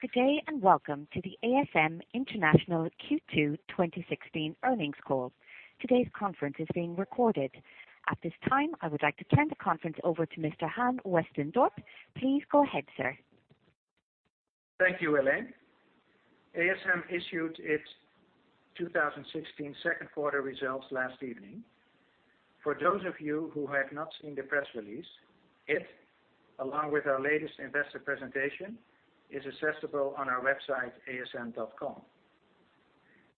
Good day, welcome to the ASM International Q2 2016 earnings call. Today's conference is being recorded. At this time, I would like to turn the conference over to Mr. Han Westendorp. Please go ahead, sir. Thank you, Elaine. ASM issued its 2016 second quarter results last evening. For those of you who have not seen the press release, it, along with our latest investor presentation, is accessible on our website, asm.com.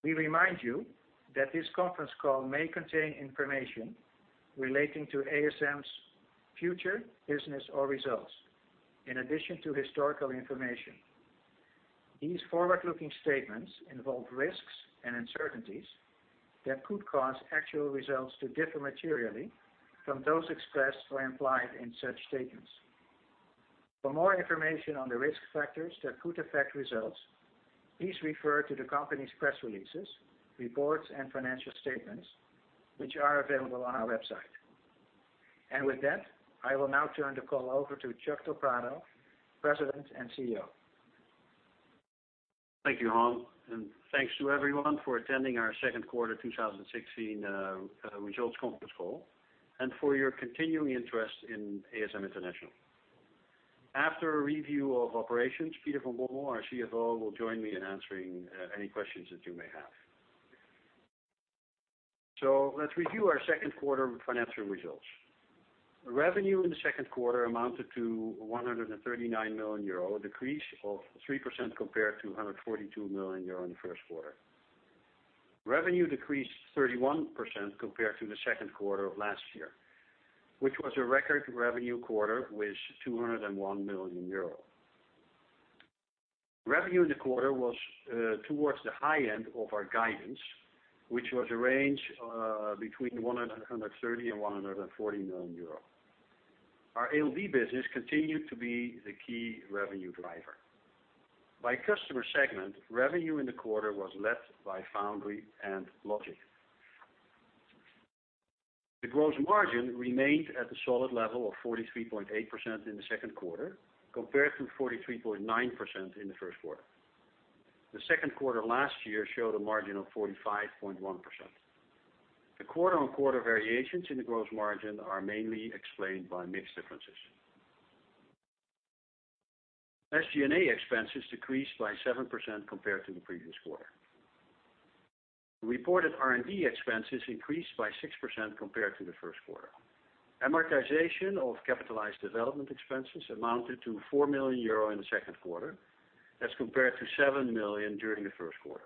We remind you that this conference call may contain information relating to ASM's future business or results, in addition to historical information. These forward-looking statements involve risks and uncertainties that could cause actual results to differ materially from those expressed or implied in such statements. For more information on the risk factors that could affect results, please refer to the company's press releases, reports, and financial statements, which are available on our website. With that, I will now turn the call over to Chuck del Prado, President and CEO. Thank you, Han, thanks to everyone for attending our second quarter 2016 results conference call and for your continuing interest in ASM International. After a review of operations, Peter van Bommel, our CFO, will join me in answering any questions that you may have. Let's review our second quarter financial results. Revenue in the second quarter amounted to 139 million euro, a decrease of 3% compared to 142 million euro in the first quarter. Revenue decreased 31% compared to the second quarter of last year, which was a record revenue quarter with 201 million euros. Revenue in the quarter was towards the high end of our guidance, which was a range between 130 million and 140 million euro. Our ALD business continued to be the key revenue driver. By customer segment, revenue in the quarter was led by foundry and logic. The gross margin remained at the solid level of 43.8% in the second quarter, compared to 43.9% in the first quarter. The second quarter last year showed a margin of 45.1%. The quarter-on-quarter variations in the gross margin are mainly explained by mix differences. SG&A expenses decreased by 7% compared to the previous quarter. Reported R&D expenses increased by 6% compared to the first quarter. Amortization of capitalized development expenses amounted to 4 million euro in the second quarter as compared to 7 million during the first quarter.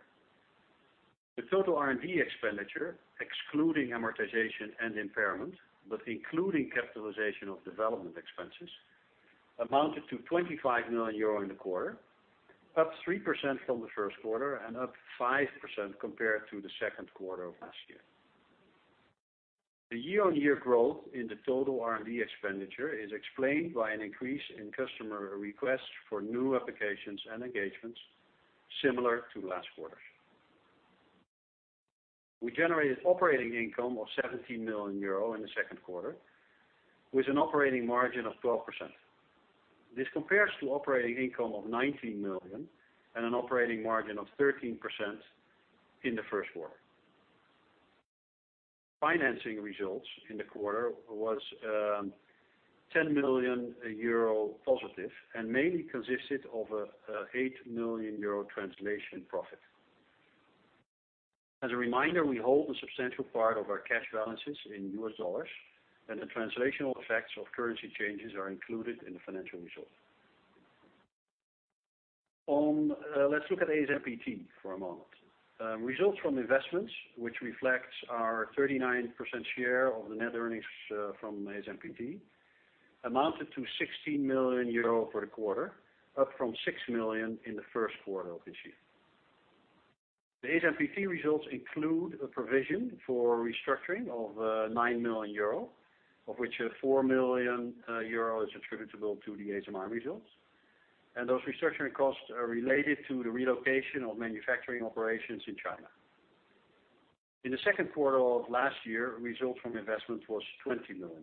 The total R&D expenditure, excluding amortization and impairment, but including capitalization of development expenses, amounted to 25 million euro in the quarter, up 3% from the first quarter and up 5% compared to the second quarter of last year. The year-on-year growth in the total R&D expenditure is explained by an increase in customer requests for new applications and engagements, similar to last quarter's. We generated operating income of €17 million in the second quarter, with an operating margin of 12%. This compares to operating income of €19 million and an operating margin of 13% in the first quarter. Financing results in the quarter was €10 million positive and mainly consisted of a €8 million translation profit. As a reminder, we hold a substantial part of our cash balances in US dollars, and the translational effects of currency changes are included in the financial results. Let's look at ASMPT for a moment. Results from investments, which reflects our 39% share of the net earnings from ASMPT, amounted to €16 million for the quarter, up from €6 million in the first quarter of this year. The ASMPT results include a provision for restructuring of €9 million, of which €4 million is attributable to the ASMI results, and those restructuring costs are related to the relocation of manufacturing operations in China. In the second quarter of last year, results from investment was €20 million.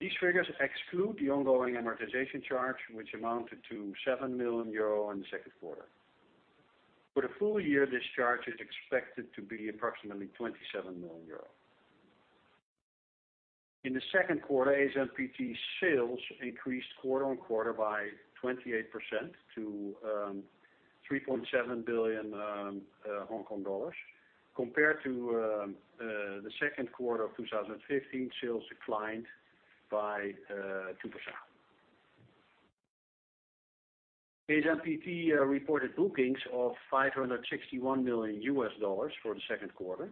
These figures exclude the ongoing amortization charge, which amounted to €7 million in the second quarter. For the full year, this charge is expected to be approximately €27 million. In the second quarter, ASMPT sales increased quarter-on-quarter by 28% to 3.7 billion Hong Kong dollars. Compared to the second quarter of 2015, sales declined by 2%. ASMPT reported bookings of $561 million for the second quarter,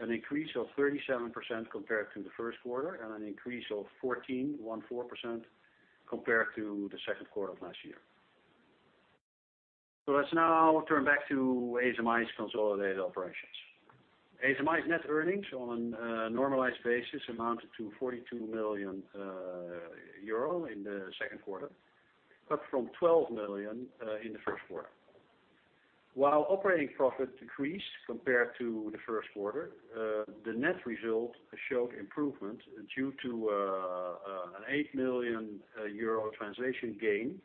an increase of 37% compared to the first quarter and an increase of 14% compared to the second quarter of last year. Let's now turn back to ASMI's consolidated operations. ASMI's net earnings on a normalized basis amounted to €42 million in the second quarter, up from €12 million in the first quarter. While operating profit decreased compared to the first quarter, the net result showed improvement due to an €8 million translation gain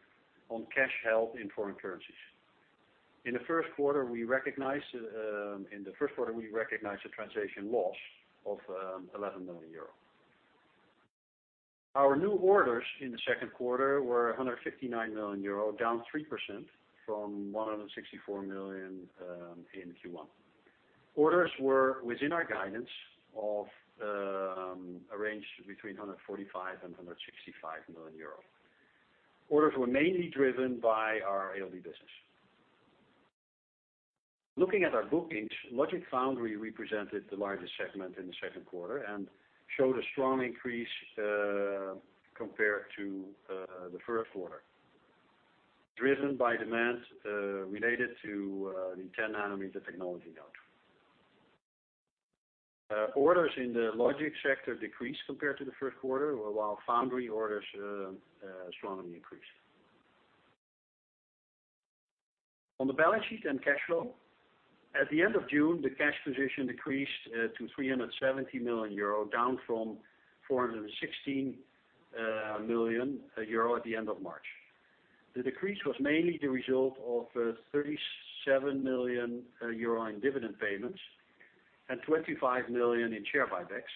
on cash held in foreign currencies. In the first quarter, we recognized a translation loss of €11 million. Our new orders in the second quarter were €159 million, down 3% from €164 million in Q1. Orders were within our guidance of a range between €145 million and €165 million. Orders were mainly driven by our ALD business. Looking at our bookings, logic foundry represented the largest segment in the second quarter and showed a strong increase compared to the first quarter, driven by demand related to the 10 nanometer technology node. Orders in the logic sector decreased compared to the first quarter, while foundry orders strongly increased. On the balance sheet and cash flow, at the end of June, the cash position decreased to €370 million, down from €416 million at the end of March. The decrease was mainly the result of €37 million in dividend payments and €25 million in share buybacks,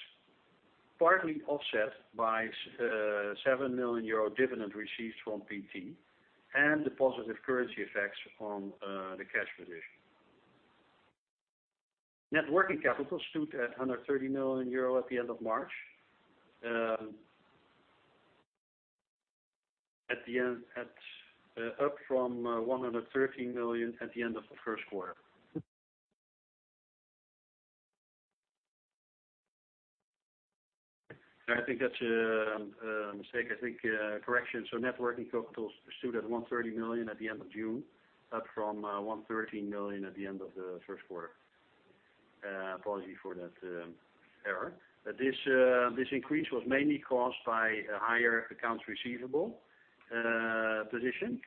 partly offset by a €7 million dividend received from PT and the positive currency effects on the cash position. Net working capital stood at €130 million at the end of March, up from €113 million at the end of the first quarter. I think that's a mistake. Correction. Net working capital stood at €130 million at the end of June, up from €113 million at the end of the first quarter. Apology for that error. This increase was mainly caused by a higher accounts receivable position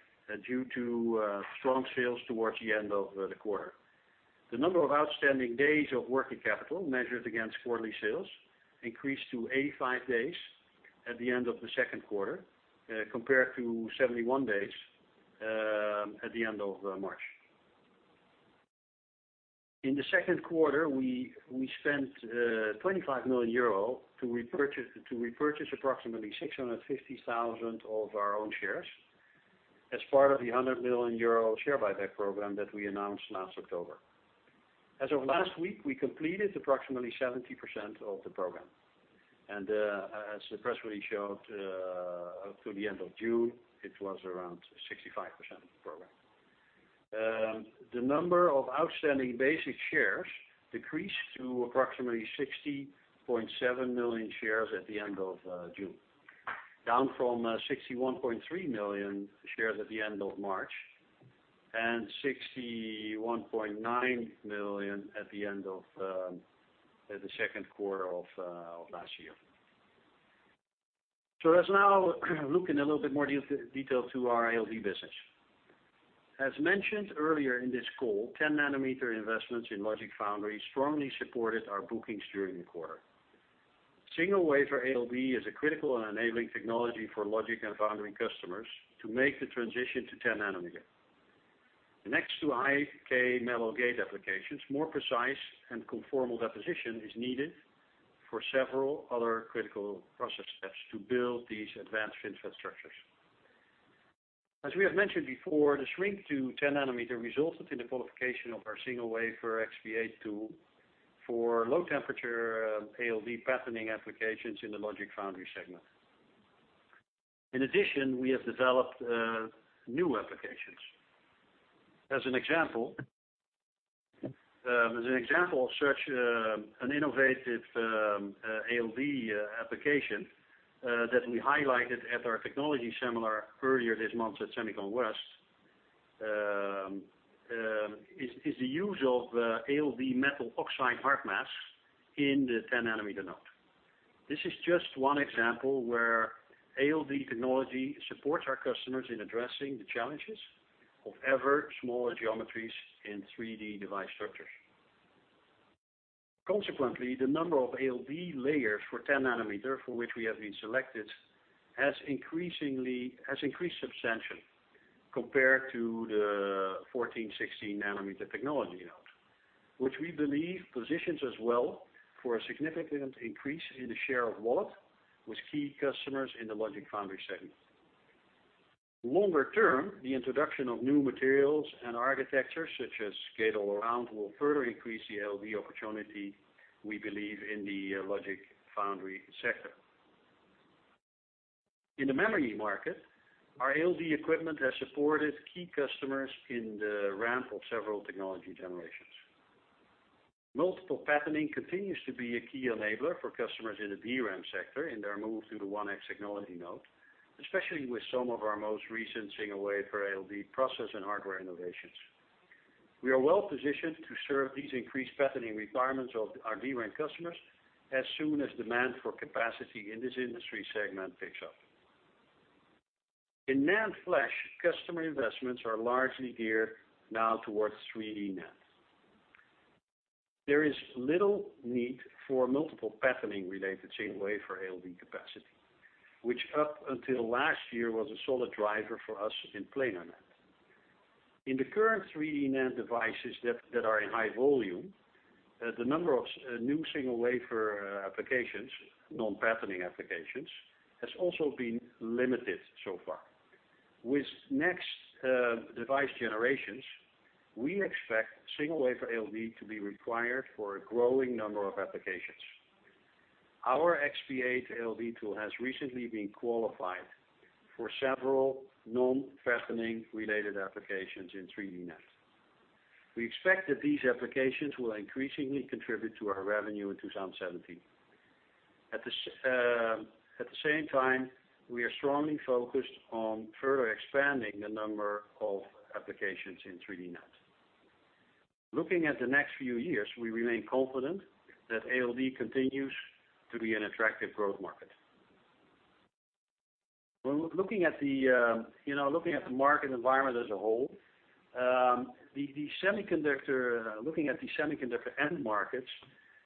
due to strong sales towards the end of the quarter. The number of outstanding days of working capital measured against quarterly sales increased to 85 days at the end of the second quarter, compared to 71 days at the end of March. In the second quarter, we spent 25 million euro to repurchase approximately 650,000 of our own shares as part of the 100 million euro share buyback program that we announced last October. As of last week, we completed approximately 70% of the program. As the press release showed, up till the end of June, it was around 65% of the program. The number of outstanding basic shares decreased to approximately 60.7 million shares at the end of June, down from 61.3 million shares at the end of March and 61.9 million at the end of the second quarter of last year. Let's now look in a little bit more detail to our ALD business. As mentioned earlier in this call, 10 nanometer investments in logic foundry strongly supported our bookings during the quarter. Single wafer ALD is a critical and enabling technology for logic and foundry customers to make the transition to 10 nanometer. Next to high-k metal gate applications, more precise and conformal deposition is needed for several other critical process steps to build these advanced infrastructures. As we have mentioned before, the shrink to 10 nanometer resulted in the qualification of our single wafer XP8 tool for low temperature ALD patterning applications in the logic foundry segment. In addition, we have developed new applications. As an example of such an innovative ALD application that we highlighted at our technology seminar earlier this month at SEMICON West, is the use of ALD metal oxide hardmask in the 10 nanometer node. This is just one example where ALD technology supports our customers in addressing the challenges of ever smaller geometries in 3D device structures. Consequently, the number of ALD layers for 10 nanometer, for which we have been selected, has increased substantially compared to the 14, 16 nanometer technology node, which we believe positions us well for a significant increase in the share of wallet with key customers in the logic foundry segment. Longer term, the introduction of new materials and architectures such as gate-all-around will further increase the ALD opportunity we believe in the logic foundry sector. In the memory market, our ALD equipment has supported key customers in the ramp of several technology generations. Multiple patterning continues to be a key enabler for customers in the DRAM sector in their move to the 1X technology node, especially with some of our most recent single wafer ALD process and hardware innovations. We are well positioned to serve these increased patterning requirements of our DRAM customers as soon as demand for capacity in this industry segment picks up. In NAND flash, customer investments are largely geared now towards 3D NAND. There is little need for multiple patterning-related single wafer ALD capacity, which up until last year was a solid driver for us in planar NAND. In the current 3D NAND devices that are in high volume, the number of new single wafer applications, non-patterning applications, has also been limited so far. With next device generations, we expect single wafer ALD to be required for a growing number of applications. Our XP8 ALD tool has recently been qualified for several non-patterning related applications in 3D NAND. We expect that these applications will increasingly contribute to our revenue in 2017. At the same time, we are strongly focused on further expanding the number of applications in 3D NAND. Looking at the next few years, we remain confident that ALD continues to be an attractive growth market. Looking at the market environment as a whole, looking at the semiconductor end markets,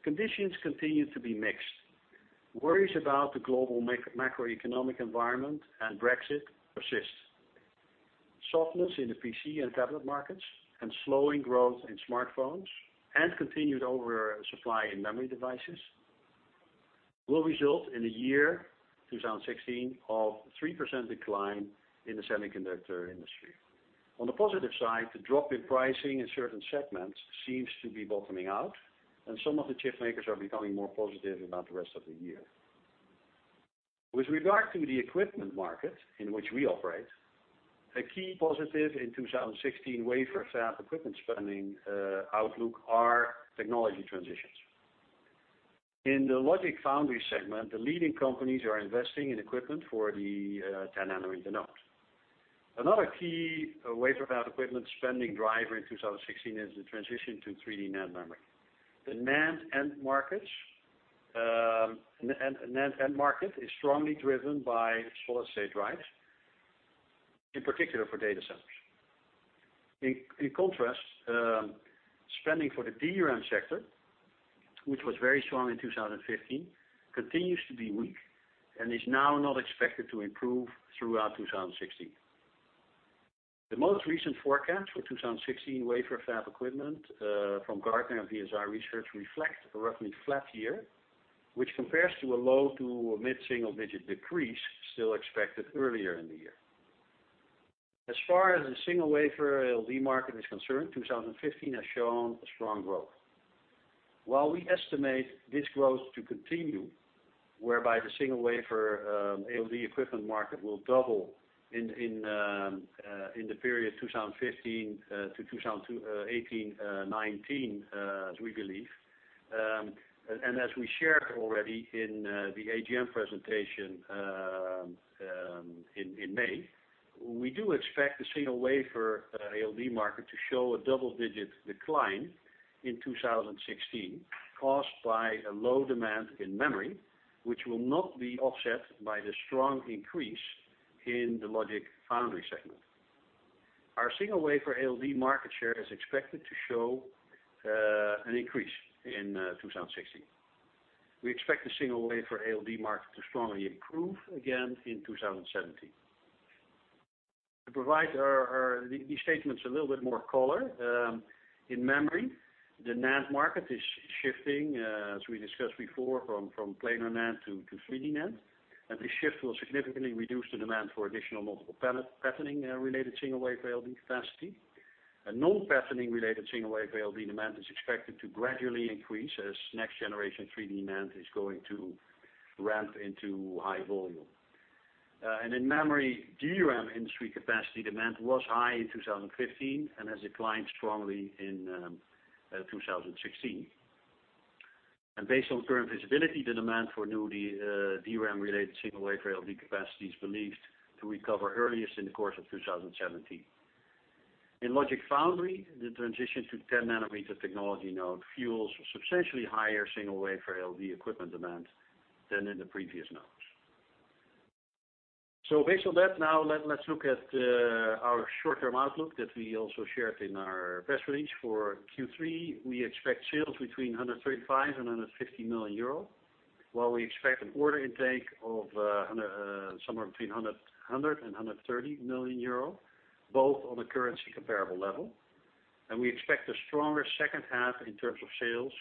conditions continue to be mixed. Worries about the global macroeconomic environment and Brexit persist. Softness in the PC and tablet markets and slowing growth in smartphones and continued oversupply in memory devices will result in a year, 2016, of 3% decline in the semiconductor industry. On the positive side, the drop in pricing in certain segments seems to be bottoming out, some of the chip makers are becoming more positive about the rest of the year. With regard to the equipment market in which we operate, a key positive in 2016 wafer fab equipment spending outlook are technology transitions. In the logic foundry segment, the leading companies are investing in equipment for the 10 nanometer node. Another key wafer fab equipment spending driver in 2016 is the transition to 3D NAND memory. The NAND end market is strongly driven by solid-state drives, in particular for data centers. In contrast, spending for the DRAM sector, which was very strong in 2015, continues to be weak and is now not expected to improve throughout 2016. The most recent forecast for 2016 wafer fab equipment from Gartner and VLSI Research reflect a roughly flat year, which compares to a low-to-mid single-digit decrease still expected earlier in the year. As far as the single wafer ALD market is concerned, 2015 has shown a strong growth. While we estimate this growth to continue, whereby the single wafer ALD equipment market will double in the period 2015 to 2018, 2019, as we believe, and as we shared already in the AGM presentation in May, we do expect the single wafer ALD market to show a double-digit decline in 2016 caused by a low demand in memory, which will not be offset by the strong increase in the logic foundry segment. Our single wafer ALD market share is expected to show an increase in 2016. We expect the single wafer ALD market to strongly improve again in 2017. To provide these statements a little bit more color, in memory, the NAND market is shifting, as we discussed before, from planar NAND to 3D NAND, and the shift will significantly reduce the demand for additional multiple patterning related single wafer ALD capacity. A non-patterning related single wafer ALD demand is expected to gradually increase as next generation 3D NAND is going to ramp into high volume. In memory DRAM industry capacity demand was high in 2015 and has declined strongly in 2016. Based on current visibility, the demand for new DRAM related single wafer ALD capacity is believed to recover earliest in the course of 2017. In logic foundry, the transition to 10 nanometer technology node fuels substantially higher single wafer ALD equipment demand than in the previous nodes. Based on that, now let's look at our short-term outlook that we also shared in our press release for Q3. We expect sales between 135 million and 150 million euro, while we expect an order intake of somewhere between 100 million and 130 million euro, both on a currency comparable level. We expect a stronger second half in terms of sales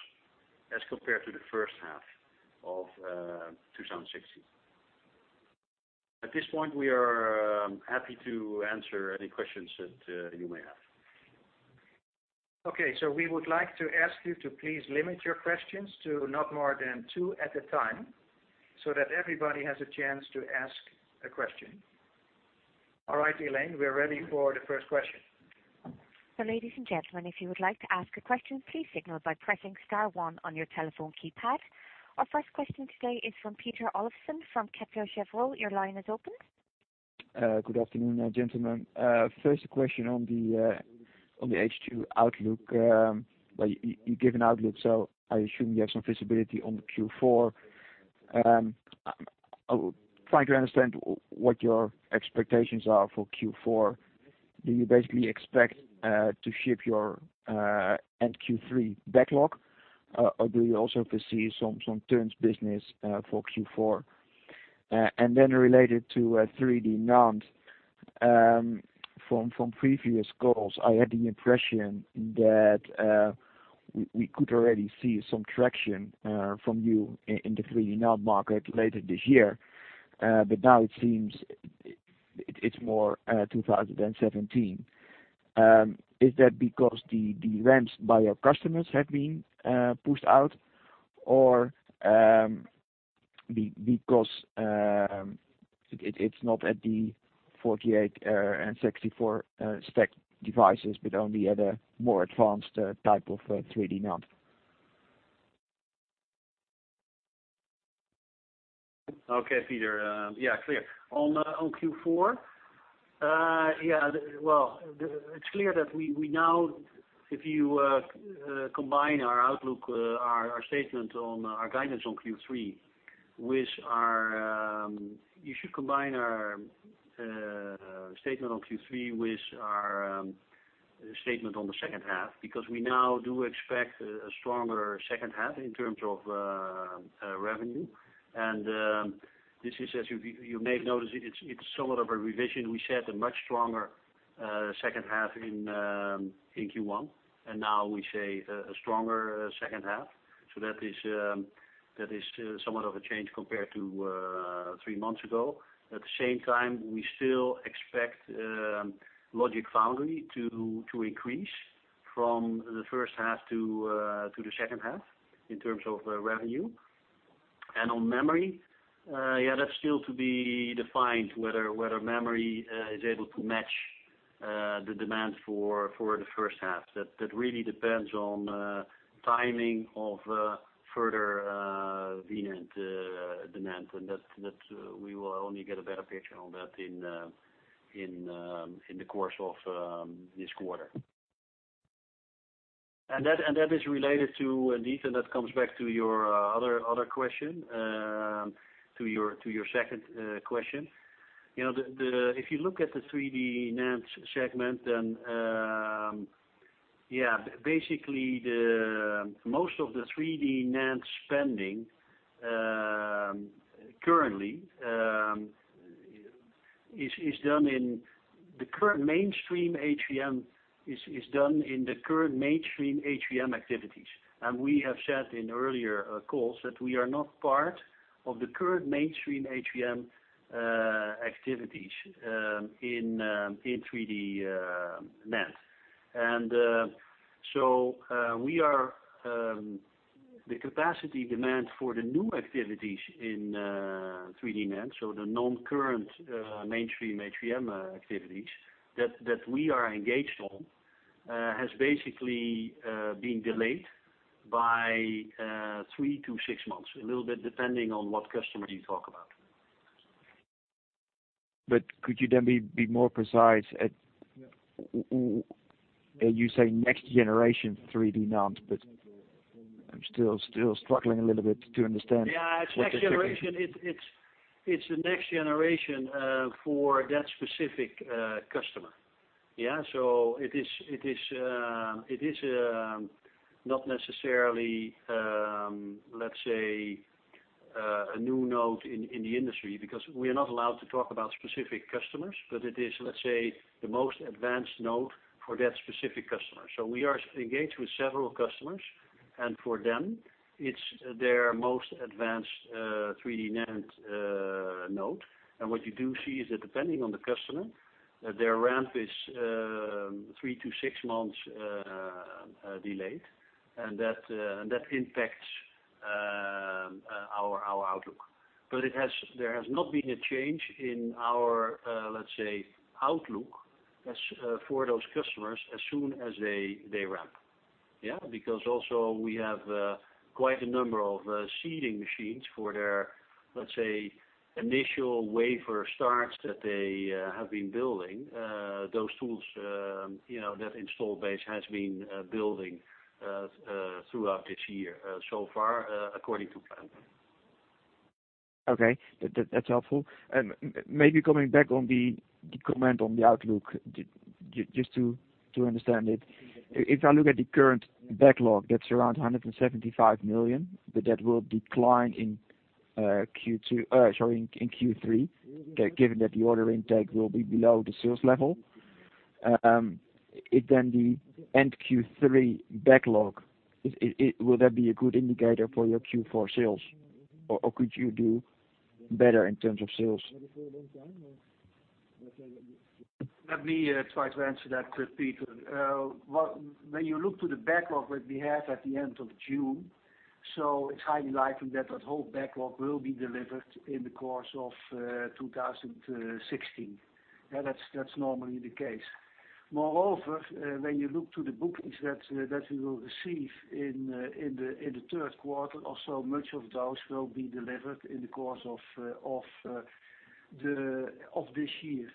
as compared to the first half of 2016. At this point, we are happy to answer any questions that you may have. We would like to ask you to please limit your questions to not more than two at a time so that everybody has a chance to ask a question. All right, Elaine, we're ready for the first question. Ladies and gentlemen, if you would like to ask a question, please signal by pressing star one on your telephone keypad. Our first question today is from Peter Olofsen from Kepler Cheuvreux. Your line is open. Good afternoon, gentlemen. First question on the H2 outlook. You gave an outlook, so I'm trying to understand what your expectations are for Q4. Do you basically expect to ship your end Q3 backlog, or do you also foresee some turns business for Q4? Then related to 3D NAND, from previous calls, I had the impression that we could already see some traction from you in the 3D NAND market later this year. But now it seems it's more 2017. Is that because the ramps by your customers have been pushed out or because it's not at the 48 and 64 spec devices, but only at a more advanced type of 3D NAND? Peter, clear. On Q4, it's clear that if you combine our statement on our guidance on Q3 with our statement on the second half, because we now do expect a stronger second half in terms of revenue. You may have noticed, it's somewhat of a revision. We set a much stronger second half in Q1, and now we say a stronger second half. That is somewhat of a change compared to three months ago. At the same time, we still expect logic foundry to increase from the first half to the second half in terms of revenue. On memory, that's still to be defined whether memory is able to match the demand for the first half. That really depends on timing of further V-NAND demand, and that we will only get a better picture on that in the course of this quarter. That is related to, this comes back to your other question, to your second question. If you look at the 3D NAND segment, then basically, most of the 3D NAND spending currently is done in the current mainstream HVM activities. We have said in earlier calls that we are not part of the current mainstream HVM activities in 3D NAND. The capacity demand for the new activities in 3D NAND, so the non-current mainstream HVM activities that we are engaged on, has basically been delayed by three to six months, a little bit depending on what customer you talk about. Could you then be more precise? You say next generation 3D NAND, but I'm still struggling a little bit to understand what that. Yeah. Next generation, it's the next generation for that specific customer. It is not necessarily, let's say, a new node in the industry because we are not allowed to talk about specific customers, but it is, let's say, the most advanced node for that specific customer. We are engaged with several customers, and for them, it's their most advanced 3D NAND node. What you do see is that depending on the customer, their ramp is three to six months delayed, and that impacts our outlook. There has not been a change in our, let's say, outlook for those customers as soon as they ramp. Because also we have quite a number of seeding machines for their, let's say, initial wafer starts that they have been building. Those tools, that install base has been building throughout this year so far, according to plan. Okay. That's helpful. Maybe coming back on the comment on the outlook, just to understand it. If I look at the current backlog, that's around 175 million, but that will decline in Q3, given that the order intake will be below the sales level. The end Q3 backlog, will that be a good indicator for your Q4 sales? Could you do better in terms of sales? Let me try to answer that, Peter. When you look to the backlog that we have at the end of June, it's highly likely that whole backlog will be delivered in the course of 2016. That's normally the case. Moreover, when you look to the bookings that we will receive in the third quarter or so, much of those will be delivered in the course of this year.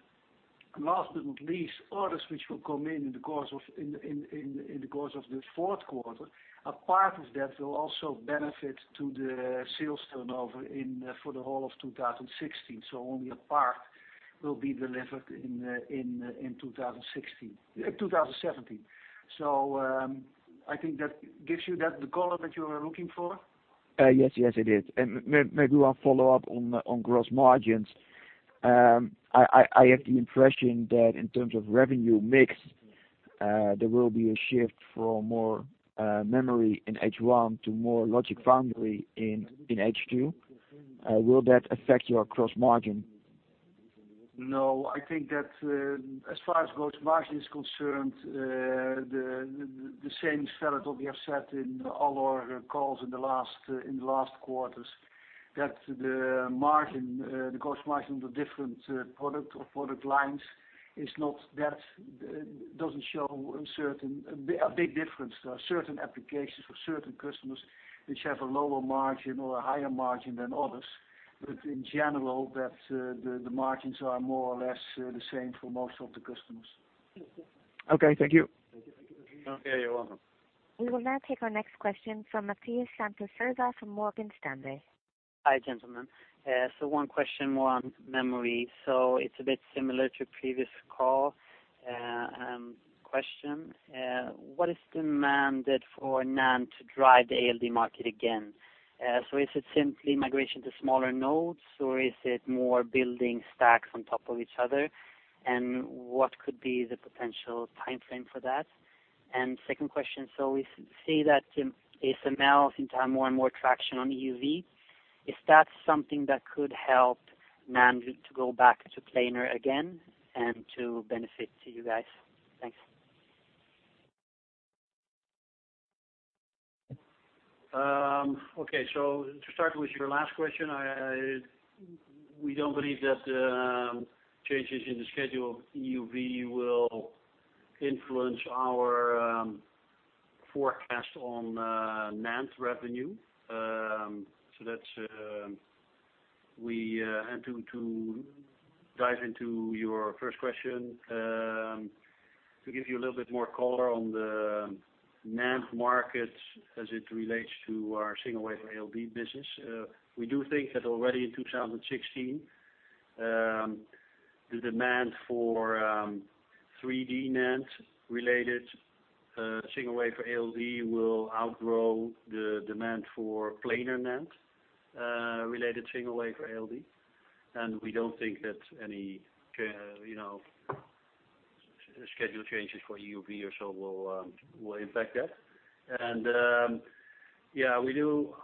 Last but not least, orders which will come in the course of the fourth quarter. A part of that will also benefit to the sales turnover for the whole of 2016. Only a part will be delivered in 2017. I think that gives you the color that you were looking for. Yes, it is. Maybe one follow-up on gross margins. I have the impression that in terms of revenue mix, there will be a shift for more memory in H1 to more logic foundry in H2. Will that affect your gross margin? No, I think that as far as gross margin is concerned, the same standard that we have set in all our calls in the last quarters, that the gross margin of different product or product lines doesn't show a big difference. There are certain applications for certain customers which have a lower margin or a higher margin than others. In general, the margins are more or less the same for most of the customers. Okay, thank you. Okay, you're welcome. We will now take our next question from Mathias Santos Serra from Morgan Stanley. Hi, gentlemen. One question more on memory. It's a bit similar to previous call question. What is demanded for NAND to drive the ALD market again? Is it simply migration to smaller nodes, or is it more building stacks on top of each other? What could be the potential timeframe for that? Second question, we see that ASML seem to have more and more traction on EUV. Is that something that could help NAND to go back to planar again and to benefit you guys? Thanks. Okay, to start with your last question, we don't believe that changes in the schedule of EUV will influence our forecast on NAND revenue. To dive into your first question, to give you a little bit more color on the NAND market as it relates to our single wafer ALD business. We do think that already in 2016, the demand for 3D NAND related single wafer ALD will outgrow the demand for planar NAND related single wafer ALD. We don't think that any schedule changes for EUV or so will impact that.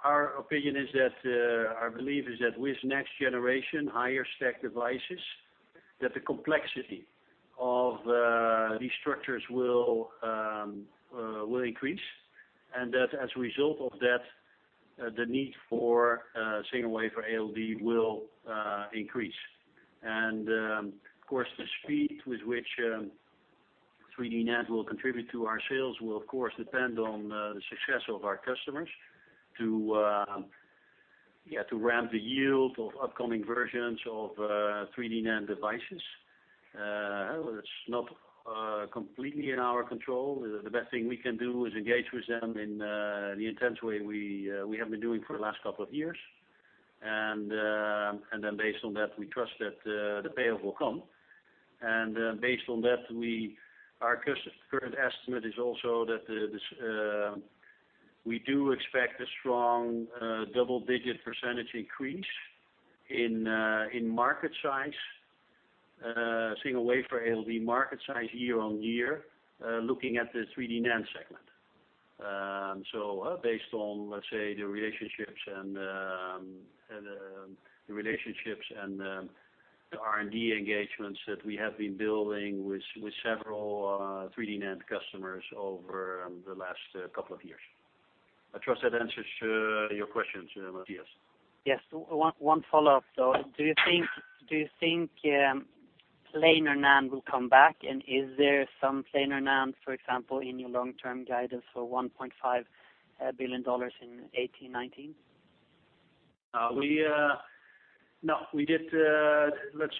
Our belief is that with next generation higher stack devices, that the complexity of these structures will increase and that as a result of that, the need for single wafer ALD will increase. Of course, the speed with which 3D NAND will contribute to our sales will of course depend on the success of our customers to ramp the yield of upcoming versions of 3D NAND devices. It's not completely in our control. The best thing we can do is engage with them in the intense way we have been doing for the last couple of years. Then based on that, we trust that the payoff will come. Based on that, our current estimate is also that we do expect a strong double-digit % increase in single wafer ALD market size year-on-year, looking at the 3D NAND segment. Based on, let's say the relationships and the R&D engagements that we have been building with several 3D NAND customers over the last couple of years. I trust that answers your questions, Mathias. Yes. One follow-up, though. Do you think planar NAND will come back? Is there some planar NAND, for example, in your long-term guidance for EUR 1.5 billion in 2018/2019? No. Let's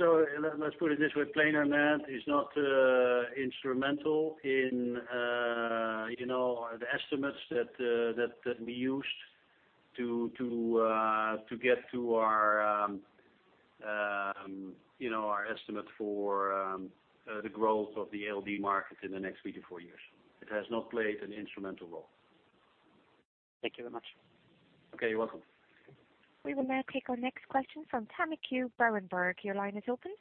put it this way. Planar NAND is not instrumental in the estimates that we used to get to our estimate for the growth of the ALD market in the next three to four years. It has not played an instrumental role. Thank you very much. Okay, you're welcome. We will now take our next question from Tammy Qiu, Berenberg. Your line is open.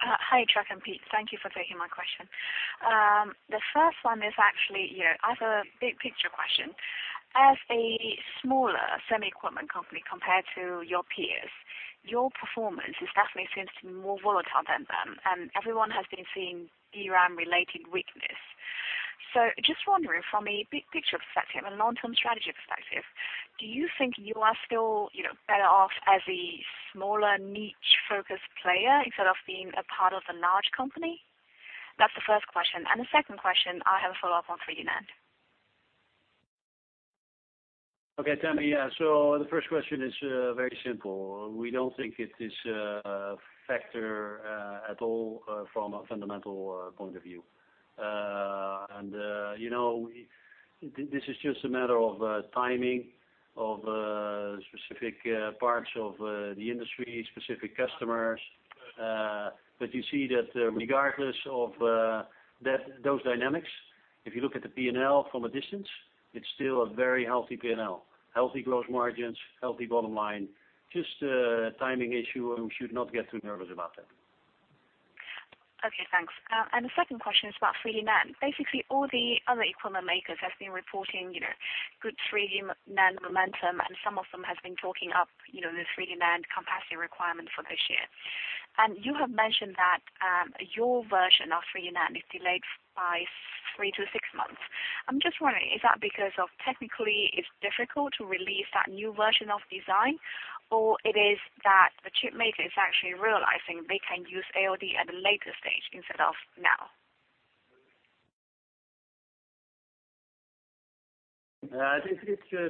Hi, Chuck and Pete. Thank you for taking my question. The first one is actually, I have a big picture question. As a smaller semi equipment company compared to your peers, your performance is definitely seems to be more volatile than them, and everyone has been seeing DRAM related weakness. Just wondering from a big picture perspective and long-term strategy perspective, do you think you are still better off as a smaller niche focused player instead of being a part of a large company? That's the first question. The second question, I have a follow-up on 3D NAND. Okay, Tammy. Yeah. The first question is very simple. We don't think it is a factor at all from a fundamental point of view. This is just a matter of timing of specific parts of the industry, specific customers. You see that regardless of those dynamics, if you look at the P&L from a distance, it's still a very healthy P&L. Healthy growth margins, healthy bottom line, just a timing issue, We should not get too nervous about that. Okay, thanks. The second question is about 3D NAND. Basically, all the other equipment makers have been reporting good 3D NAND momentum, some of them have been talking up, the 3D NAND capacity requirements for this year. You have mentioned that your version of 3D NAND is delayed by 3-6 months. I'm just wondering, is that because technically it's difficult to release that new version of design, or it is that the chip maker is actually realizing they can use ALD at a later stage instead of now? I think,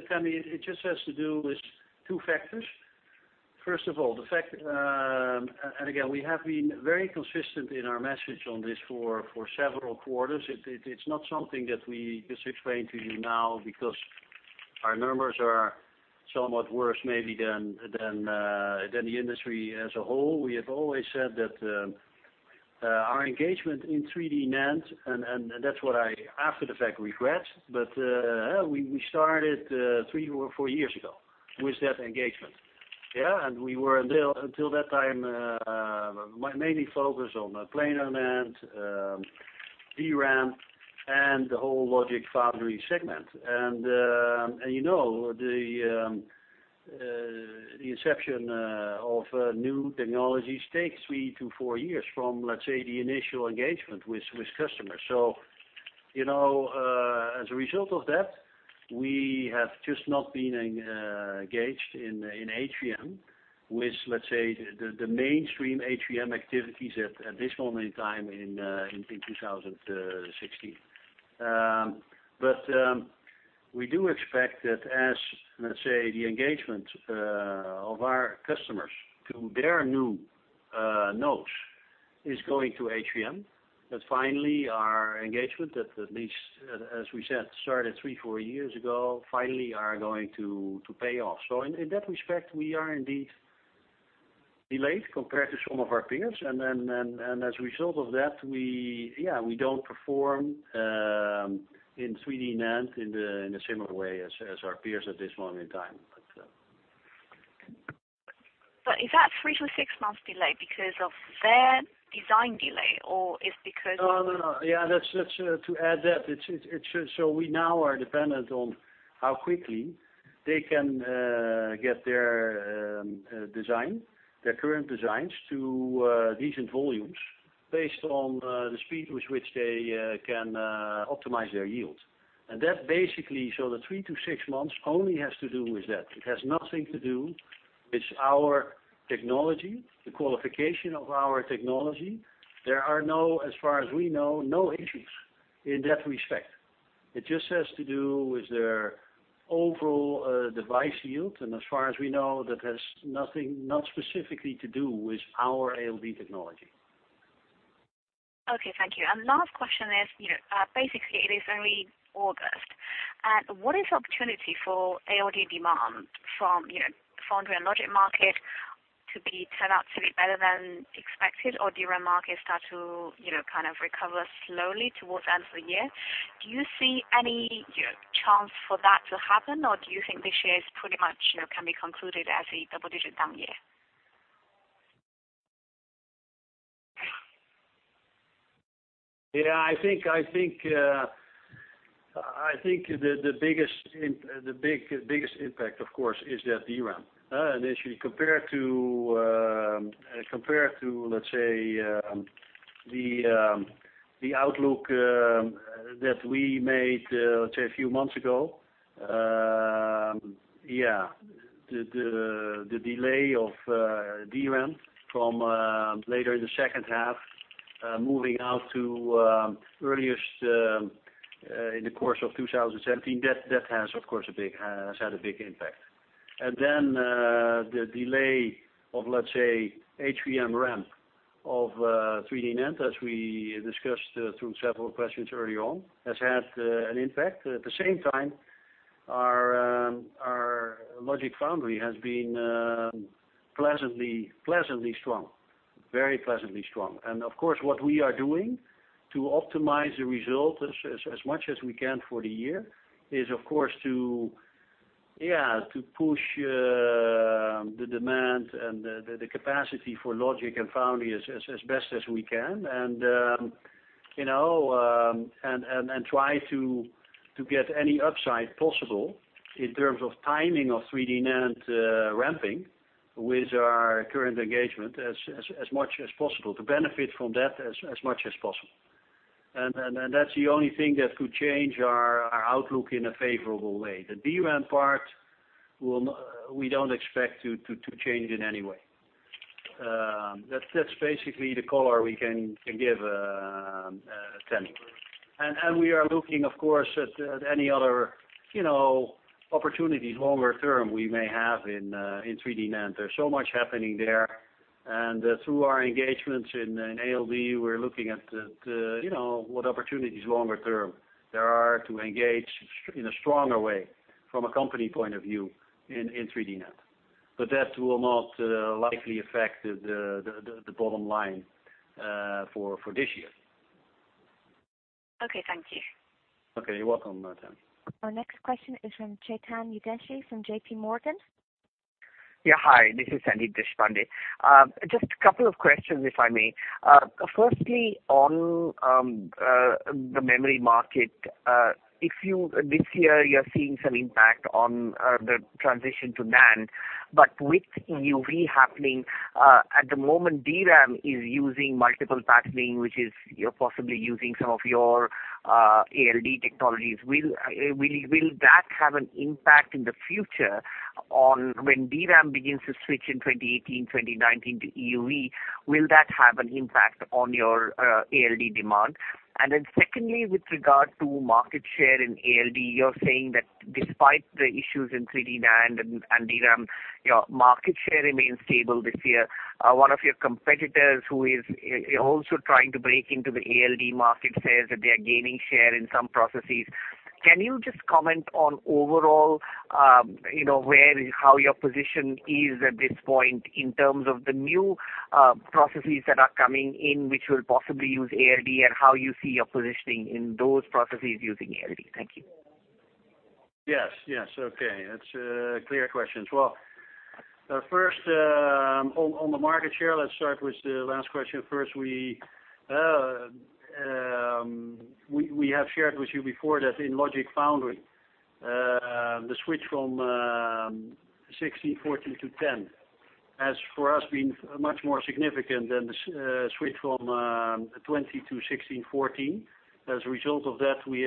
Tammy Qiu, it just has to do with two factors. First of all, again, we have been very consistent in our message on this for several quarters. It's not something that we just explain to you now because our numbers are somewhat worse maybe than the industry as a whole. We have always said that our engagement in 3D NAND, that's what I, after the fact, regret, we started three or four years ago with that engagement. Yeah, we were, until that time, mainly focused on Planar NAND, DRAM, and the whole logic foundry segment. The inception of new technologies takes 3-4 years from, let's say, the initial engagement with customers. As a result of that, we have just not been engaged in HVM with, let's say, the mainstream HVM activities at this moment in time in 2016. We do expect that as, let's say, the engagement of our customers to their new nodes is going to HVM, that finally our engagement at least as we said, started three, four years ago, finally are going to pay off. In that respect, we are indeed delayed compared to some of our peers. As a result of that, we don't perform in 3D NAND in the same way as our peers at this moment in time. Is that 3-6 months delay because of their design delay, or it's because- No. To add that, we now are dependent on how quickly they can get their current designs to decent volumes based on the speed with which they can optimize their yield. That basically, the 3 to 6 months only has to do with that. It has nothing to do with our technology, the qualification of our technology. There are, as far as we know, no issues in that respect. It just has to do with their overall device yield, and as far as we know, that has nothing, not specifically to do with our ALD technology. Okay, thank you. Last question is, basically, it is early August, what is the opportunity for ALD demand from foundry and logic market to be turned out to be better than expected, or DRAM market start to kind of recover slowly towards the end of the year. Do you see any chance for that to happen, or do you think this year is pretty much can be concluded as a double-digit down year? I think the biggest impact, of course, is that DRAM. As you compare to, let's say, the outlook that we made, let's say a few months ago, the delay of DRAM from later in the second half, moving out to earliest, in the course of 2017, that has of course had a big impact. The delay of, let's say, HVM ramp of 3D NAND, as we discussed through several questions early on, has had an impact. At the same time, our logic foundry has been pleasantly strong. Very pleasantly strong. Of course, what we are doing to optimize the result as much as we can for the year is of course to push the demand and the capacity for logic and foundry as best as we can and try to get any upside possible in terms of timing of 3D NAND ramping with our current engagement as much as possible, to benefit from that as much as possible. That's the only thing that could change our outlook in a favorable way. The DRAM part, we don't expect to change in any way. That's basically the color we can give Tammy. We are looking, of course, at any other opportunities longer term we may have in 3D NAND. There's so much happening there. Through our engagements in ALD, we are looking at what opportunities longer term there are to engage in a stronger way from a company point of view in 3D NAND. That will not likely affect the bottom line for this year. Okay. Thank you. Okay. You are welcome, Tammy. Our next question is from Chetan Udeshi from JP Morgan. Hi, this is Sandeep Deshpande. Just a couple of questions, if I may. Firstly, on the memory market, this year you're seeing some impact on the transition to NAND, but with EUV happening, at the moment, DRAM is using multiple patterning, which is you're possibly using some of your ALD technologies. Will that have an impact in the future on when DRAM begins to switch in 2018, 2019 to EUV? Will that have an impact on your ALD demand? Secondly, with regard to market share in ALD, you're saying that despite the issues in 3D NAND and DRAM, your market share remains stable this year. One of your competitors who is also trying to break into the ALD market says that they are gaining share in some processes. Can you just comment on overall how your position is at this point in terms of the new processes that are coming in which will possibly use ALD, and how you see your positioning in those processes using ALD? Thank you. Yes. Okay. That's clear questions. Well, first, on the market share, let's start with the last question first. We have shared with you before that in logic foundry, the switch from 16/14 to 10, has, for us, been much more significant than the switch from 20 to 16/14. As a result of that, we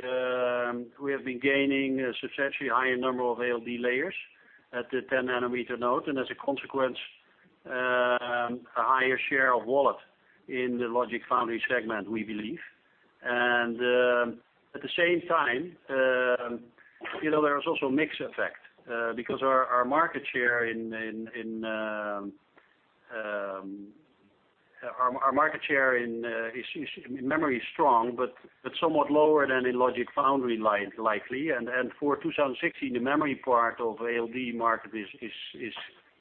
have been gaining a substantially higher number of ALD layers at the 10 nanometer node, as a consequence, a higher share of wallet in the logic foundry segment, we believe. At the same time, there is also a mix effect because our market share in memory is strong, but somewhat lower than in logic foundry likely. For 2016, the memory part of ALD market is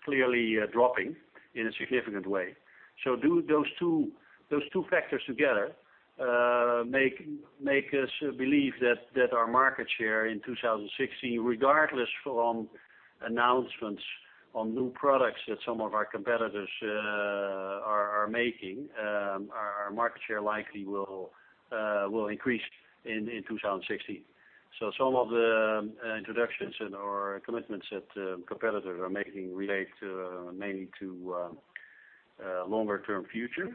clearly dropping in a significant way. Those two factors together make us believe that our market share in 2016, regardless from announcements on new products that some of our competitors are making, our market share likely will increase in 2016. Some of the introductions and/or commitments that competitors are making relate mainly to longer term future.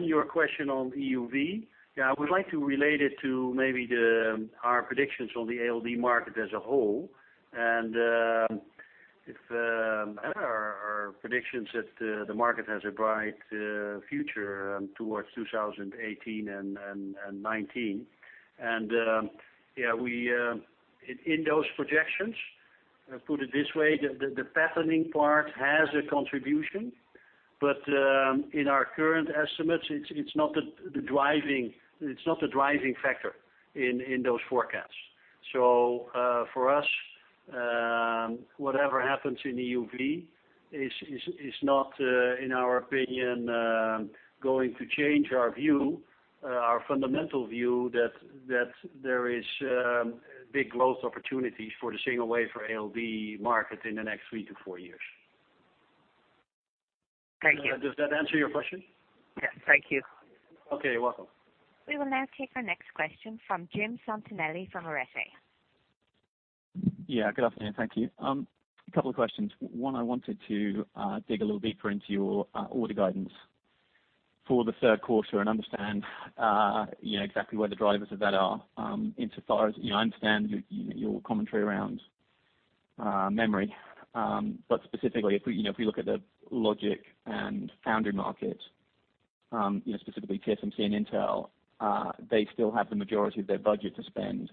Your question on EUV. Yeah, I would like to relate it to maybe our predictions on the ALD market as a whole, and our predictions that the market has a bright future towards 2018 and 2019. Yeah, in those projections, put it this way, the patterning part has a contribution, but in our current estimates, it's not the driving factor in those forecasts. For us, whatever happens in EUV is not, in our opinion, going to change our view, our fundamental view that there is big growth opportunities for the single wafer ALD market in the next three to four years. Thank you. Does that answer your question? Yes. Thank you. Okay. You're welcome. We will now take our next question from Jim Santinelli from RFSA. Yeah, good afternoon. Thank you. Couple of questions. One, I wanted to dig a little deeper into your order guidance for the third quarter and understand exactly where the drivers of that are. In so far as, I understand your commentary around memory. Specifically, if we look at the logic and foundry market, specifically TSMC and Intel, they still have the majority of their budget to spend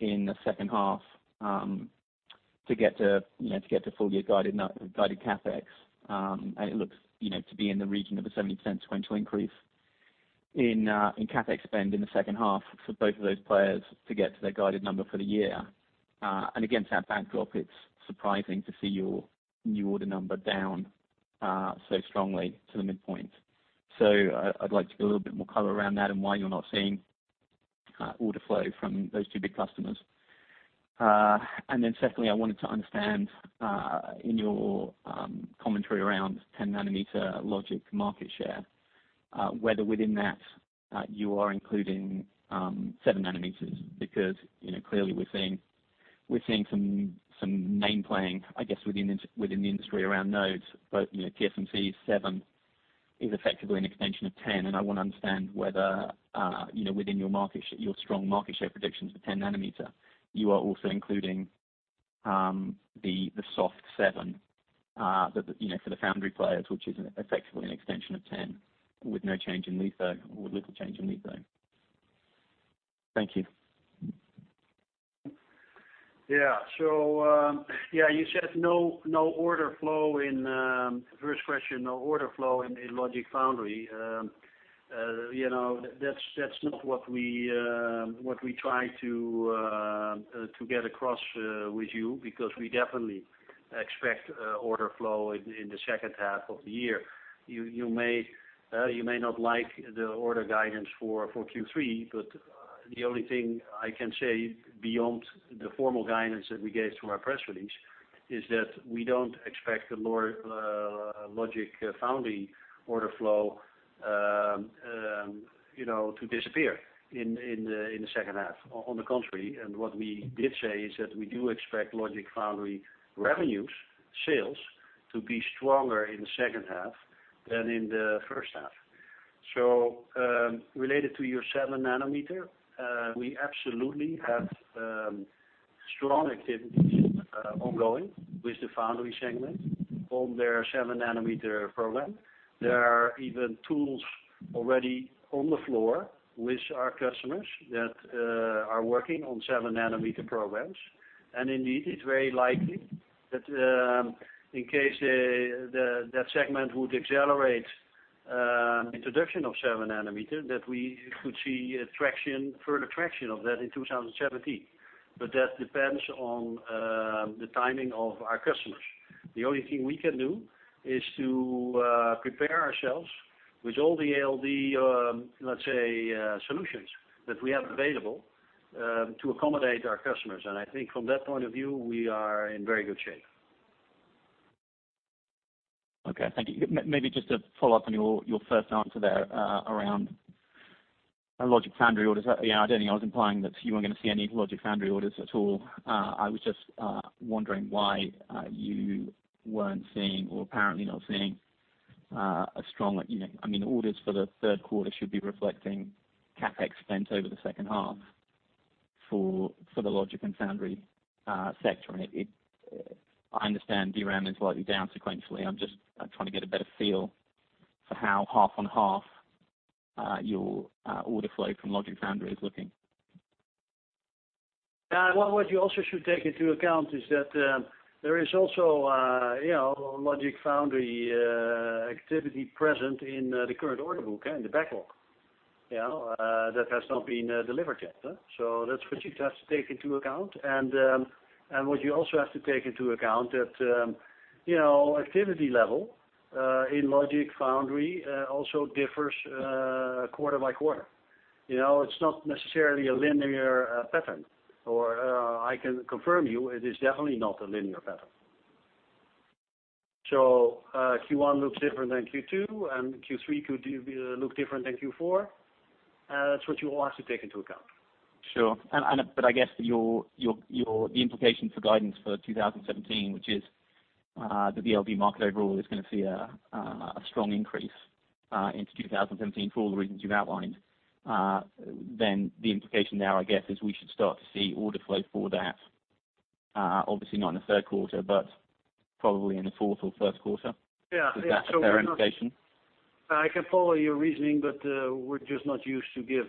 in the second half to get to full year guided CapEx. It looks to be in the region of a 0.70 sequential increase in CapEx spend in the second half for both of those players to get to their guided number for the year. Against that backdrop, it's surprising to see your new order number down so strongly to the midpoint. I'd like to get a little bit more color around that and why you're not seeing order flow from those two big customers. Secondly, I wanted to understand, in your commentary around 10 nanometer logic market share, whether within that you are including seven nanometers. Clearly we're seeing some name playing, I guess, within the industry around nodes. TSMC's seven Ns is effectively an extension of 10, and I want to understand whether, within your strong market share predictions for 10 nanometer, you are also including the seven nanometer for the foundry players, which is effectively an extension of 10 with little change in litho. Thank you. Yeah. You said, first question, no order flow in logic foundry. That's not what we try to get across with you, because we definitely expect order flow in the second half of the year. You may not like the order guidance for Q3, the only thing I can say beyond the formal guidance that we gave through our press release is that we don't expect the logic foundry order flow to disappear in the second half. On the contrary, what we did say is that we do expect logic foundry revenues, sales, to be stronger in the second half than in the first half. Related to your seven nanometer, we absolutely have strong activities ongoing with the foundry segment on their seven-nanometer program. There are even tools already on the floor with our customers that are working on seven-nanometer programs. Indeed, it's very likely that in case that segment would accelerate introduction of seven nanometer, that we could see further traction of that in 2017. That depends on the timing of our customers. The only thing we can do is to prepare ourselves with all the ALD solutions that we have available to accommodate our customers. And I think from that point of view, we are in very good shape. Okay. Thank you. Maybe just to follow up on your first answer there around logic foundry orders. I don't think I was implying that you weren't going to see any logic foundry orders at all. I was just wondering why you weren't seeing or apparently not seeing a strong Orders for the third quarter should be reflecting CapEx spent over the second half for the logic and foundry sector. I understand DRAM is slightly down sequentially. I'm just trying to get a better feel for how half on half your order flow from logic foundry is looking. What you also should take into account is that there is also logic foundry activity present in the current order book, in the backlog that has not been delivered yet. That's what you have to take into account. What you also have to take into account that activity level in logic foundry also differs quarter by quarter. It's not necessarily a linear pattern, or I can confirm you it is definitely not a linear pattern. Q1 looks different than Q2, and Q3 could look different than Q4. That's what you all have to take into account. Sure. I guess, the implication for guidance for 2017, which is the ALD market overall, is going to see a strong increase into 2017 for all the reasons you've outlined. The implication there, I guess, is we should start to see order flow for that, obviously not in the third quarter, but probably in the fourth or first quarter. Yeah. Is that a fair indication? I can follow your reasoning, we're just not used to give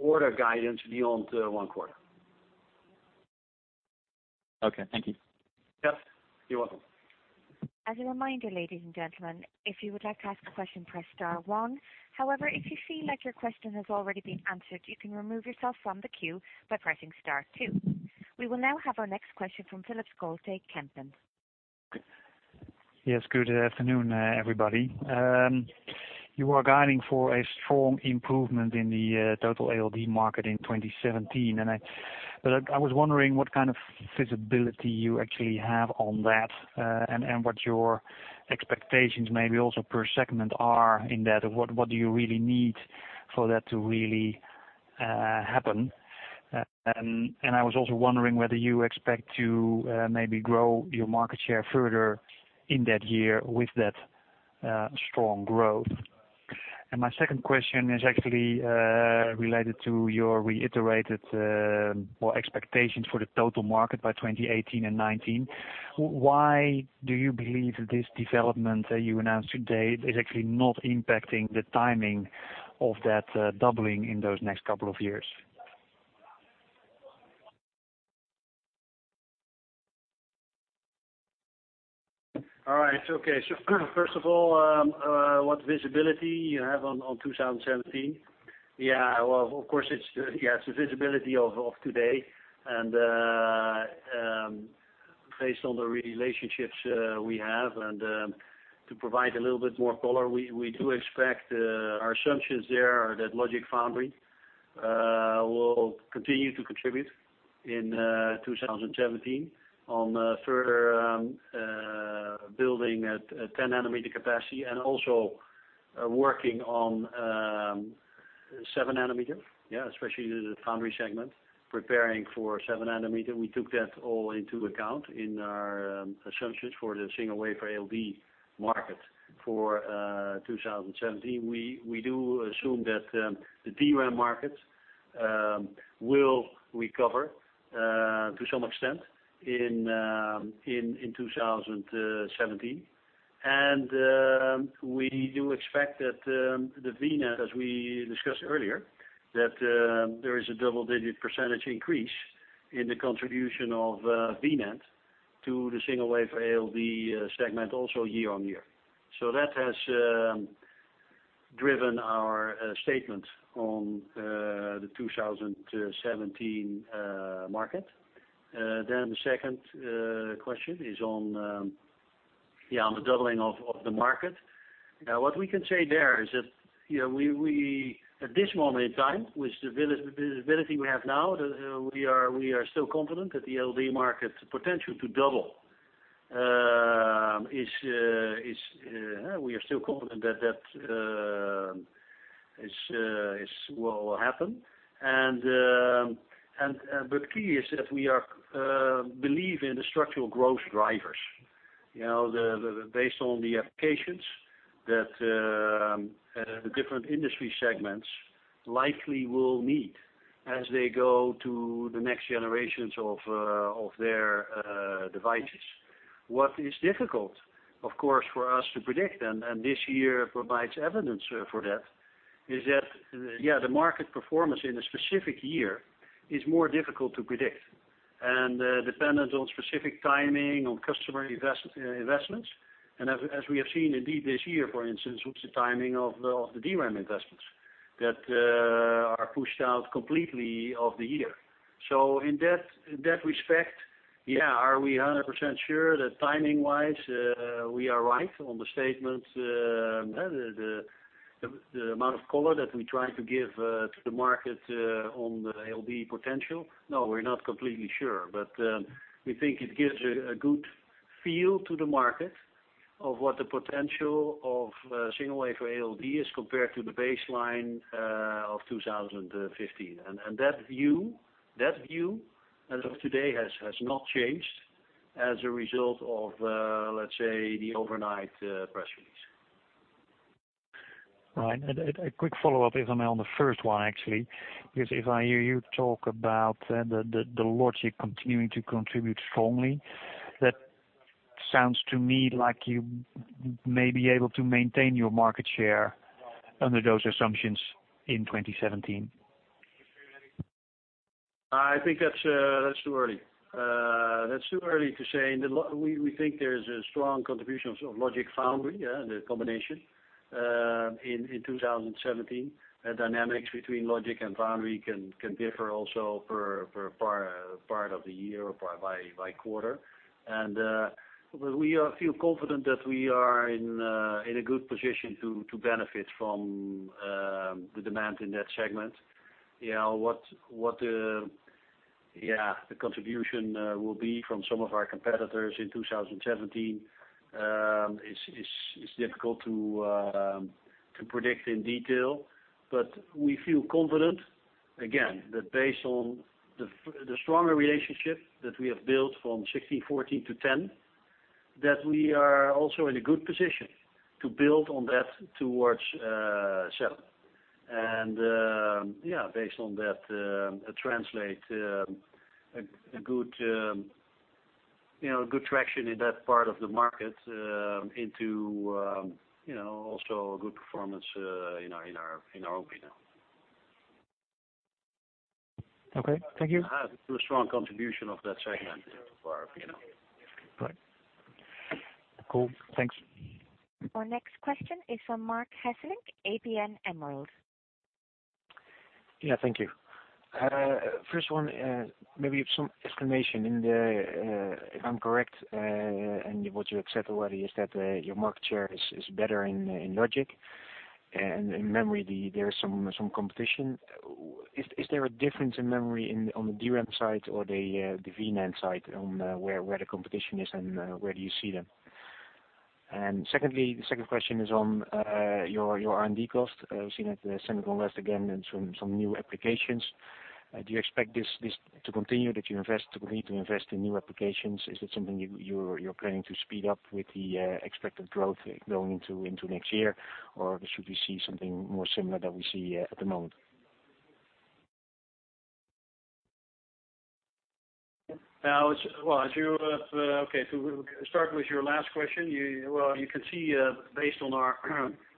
order guidance beyond one quarter. Okay. Thank you. Yes. You're welcome. As a reminder, ladies and gentlemen, if you would like to ask a question, press star one. If you feel like your question has already been answered, you can remove yourself from the queue by pressing star two. We will now have our next question from Philip Schulte, Kempen. Yes. Good afternoon, everybody. You are guiding for a strong improvement in the total ALD market in 2017. I was wondering what kind of visibility you actually have on that, and what your expectations, maybe also per segment are in that? What do you really need for that to really happen? I was also wondering whether you expect to maybe grow your market share further in that year with that strong growth. My second question is actually related to your reiterated expectations for the total market by 2018 and 2019. Why do you believe this development that you announced today is actually not impacting the timing of that doubling in those next couple of years? All right. Okay. First of all, what visibility you have on 2017? Of course, it's the visibility of today and based on the relationships we have. To provide a little bit more color, our assumptions there are that logic foundry will continue to contribute in 2017 on further building at 10-nanometer capacity and also working on 7 nanometer. Especially in the foundry segment, preparing for 7 nanometer. We took that all into account in our assumptions for the single-wafer ALD market for 2017. We do assume that the DRAM market will recover to some extent in 2017. We do expect that the V-NAND, as we discussed earlier, that there is a double-digit % increase in the contribution of V-NAND to the single-wafer ALD segment also year-over-year. That has driven our statement on the 2017 market. The second question is on the doubling of the market. What we can say there is that, at this moment in time, with the visibility we have now, we are still confident that the ALD market's potential to double, we are still confident that will happen. The key is that we believe in the structural growth drivers. Based on the applications that the different industry segments likely will need as they go to the next generations of their devices. What is difficult, of course, for us to predict, and this year provides evidence for that, is that the market performance in a specific year is more difficult to predict and dependent on specific timing, on customer investments. As we have seen indeed this year, for instance, with the timing of the DRAM investments that are pushed out completely of the year. In that respect, are we 100% sure that timing-wise we are right on the statement, the amount of color that we try to give to the market on the ALD potential? No, we're not completely sure, but we think it gives a good feel to the market of what the potential of single-wafer ALD is compared to the baseline of 2015. That view, as of today, has not changed as a result of, let's say, the overnight press release. Right. A quick follow-up, if I may, on the first one, actually, because if I hear you talk about the logic continuing to contribute strongly, that sounds to me like you may be able to maintain your market share under those assumptions in 2017. I think that's too early. That's too early to say. We think there is a strong contribution of logic foundry, the combination, in 2017. Dynamics between logic and foundry can differ also for part of the year or by quarter. We feel confident that we are in a good position to benefit from the demand in that segment. What the contribution will be from some of our competitors in 2017 is difficult to predict in detail, but we feel confident, again, that based on the stronger relationship that we have built from 16, 14 to 10, that we are also in a good position to build on that towards seven. Based on that, translate a good traction in that part of the market into also a good performance in our opinion. Okay. Thank you. A strong contribution of that segment for our opinion. Right. Cool. Thanks. Our next question is from Marc Hesselink, ABN AMRO. Yeah, thank you. First one, maybe some explanation in the, if I'm correct, and what you accept already is that your market share is better in logic and in memory. There's some competition. Is there a difference in memory on the DRAM side or the V-NAND side on where the competition is and where do you see them? Secondly, the second question is on your R&D cost. We've seen at the SEMICON West again, some new applications. Do you expect this to continue, that you need to invest in new applications? Is that something you're planning to speed up with the expected growth going into next year? Should we see something more similar that we see at the moment? To start with your last question, you can see based on our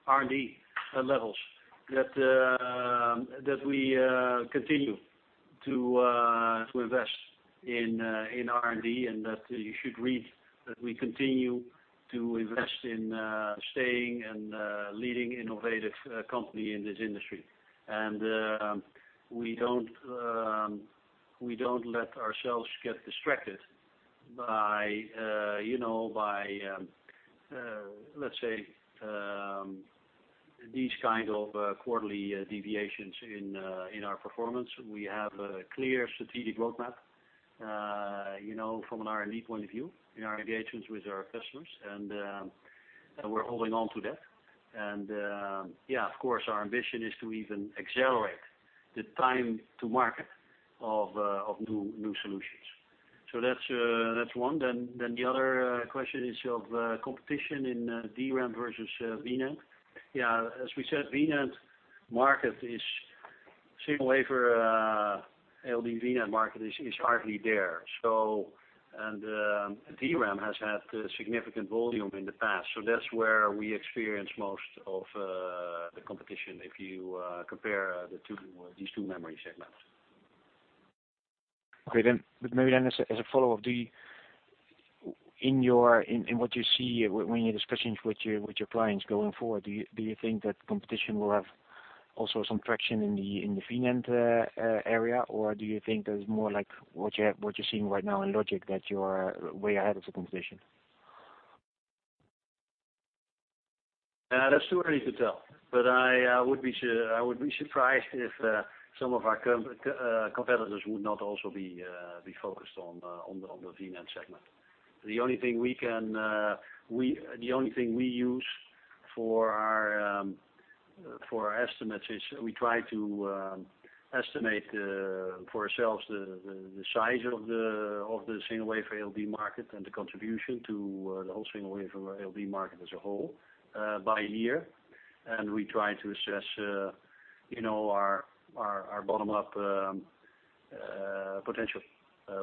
R&D levels that we continue to invest in R&D, and that you should read that we continue to invest in staying and leading innovative company in this industry. We don't let ourselves get distracted by, let's say, these kind of quarterly deviations in our performance. We have a clear strategic roadmap from an R&D point of view, in our engagements with our customers, and we're holding on to that. Of course, our ambition is to even accelerate the time to market of new solutions. That's one. The other question is of competition in DRAM versus NAND. As we said, the single-wafer ALD NAND market is hardly there. DRAM has had significant volume in the past. That's where we experience most of the competition if you compare these two memory segments. Okay then. Maybe then as a follow-up, in what you see when you're discussing with your clients going forward, do you think that competition will have also some traction in the NAND area, or do you think that it's more like what you're seeing right now in logic, that you are way ahead of the competition? That's too early to tell, but I would be surprised if some of our competitors would not also be focused on the NAND segment. The only thing we use for our estimates is we try to estimate for ourselves the size of the single-wafer ALD market and the contribution to the whole single-wafer ALD market as a whole by year. We try to assess our bottom-up potential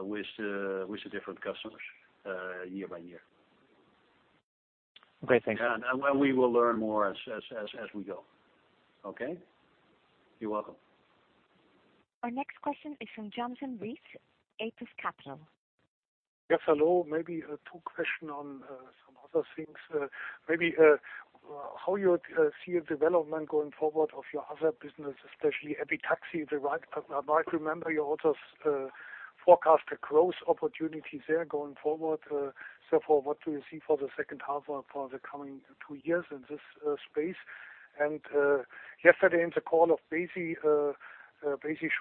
with the different customers year by year. Okay, thanks. We will learn more as we go. Okay? You're welcome. Our next question is from Jonathan Rees, Apis Capital. Yes, hello. Maybe two question on some other things. Maybe how you see a development going forward of your other business, especially epitaxy. If I remember, you also forecast a growth opportunity there going forward. For what do you see for the second half or for the coming two years in this space? Yesterday in the call of Besi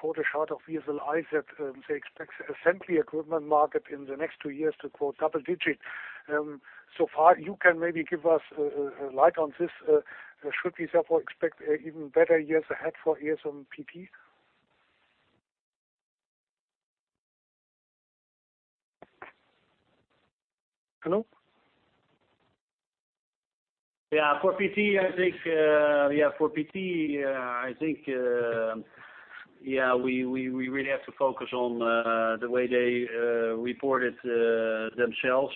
showed a chart of VLSI that they expect assembly equipment market in the next two years to grow double digit. So far, you can maybe give us a light on this. Should we therefore expect even better years ahead for ASMPT? Hello? For PT, I think we really have to focus on the way they reported themselves.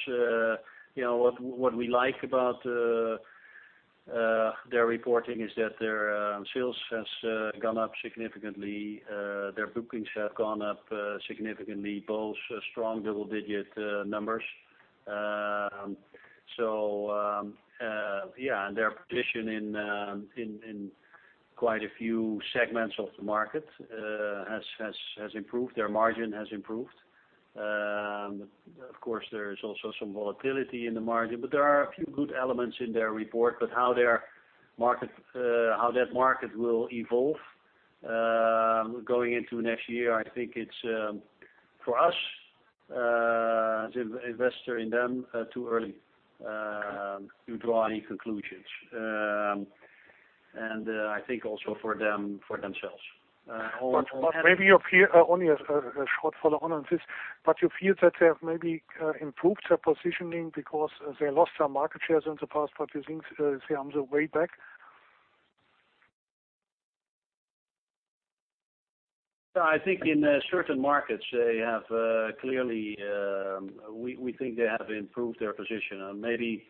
What we like about their reporting is that their sales has gone up significantly, their bookings have gone up significantly, both strong double-digit numbers. Their position in quite a few segments of the market has improved. Their margin has improved. Of course, there is also some volatility in the margin, but there are a few good elements in their report. How that market will evolve going into next year, I think it's, for us as investor in them, too early to draw any conclusions. I think also for them, for themselves. Only a short follow-on on this. You feel that they have maybe improved their positioning because they lost some market shares in the past, but you think they are on the way back? I think in certain markets, we think they have improved their position. Maybe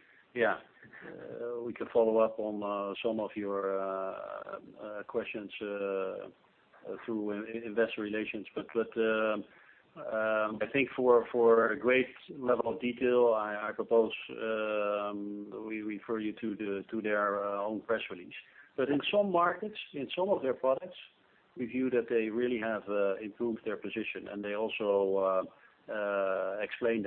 we can follow up on some of your questions through investor relations. I think for a great level of detail, I propose we refer you to their own press release. In some markets, in some of their products, we view that they really have improved their position. They also explain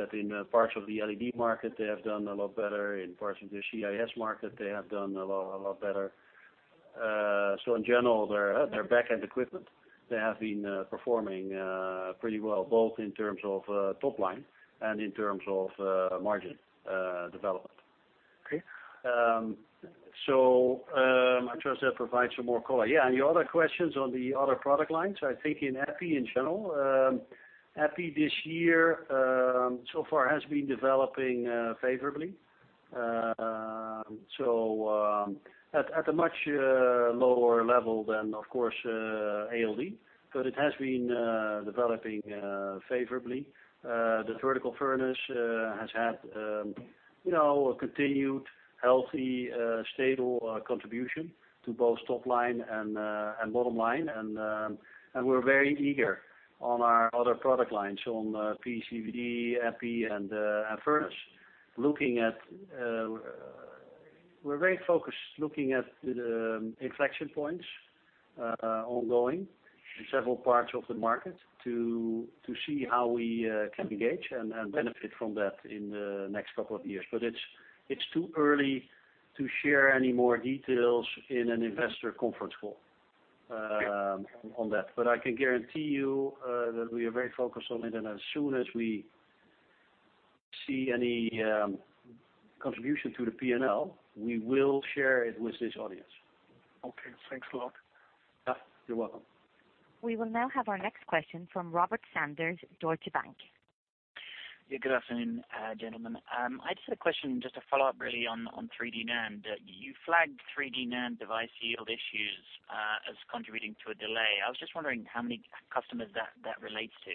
that in parts of the LED market, they have done a lot better. In parts of the CIS market, they have done a lot better. In general, their back-end equipment, they have been performing pretty well, both in terms of top line and in terms of margin development. Okay. I trust that provides some more color. Your other questions on the other product lines, I think in EPI in general. EPI this year so far has been developing favorably. At a much lower level than, of course, ALD, but it has been developing favorably. The vertical furnace has had a continued healthy, stable contribution to both top line and bottom line. We're very eager on our other product lines on PE, CVD, EPI, and furnace. We're very focused looking at the inflection points ongoing in several parts of the market to see how we can engage and benefit from that in the next couple of years. It's too early to share any more details in an investor conference call on that. I can guarantee you that we are very focused on it, and as soon as we see any contribution to the P&L, we will share it with this audience. Okay, thanks a lot. Yeah. You're welcome. We will now have our next question from Robert Sanders, Deutsche Bank. Good afternoon, gentlemen. I just had a question, just to follow up really on 3D NAND. You flagged 3D NAND device yield issues as contributing to a delay. I was just wondering how many customers that relates to?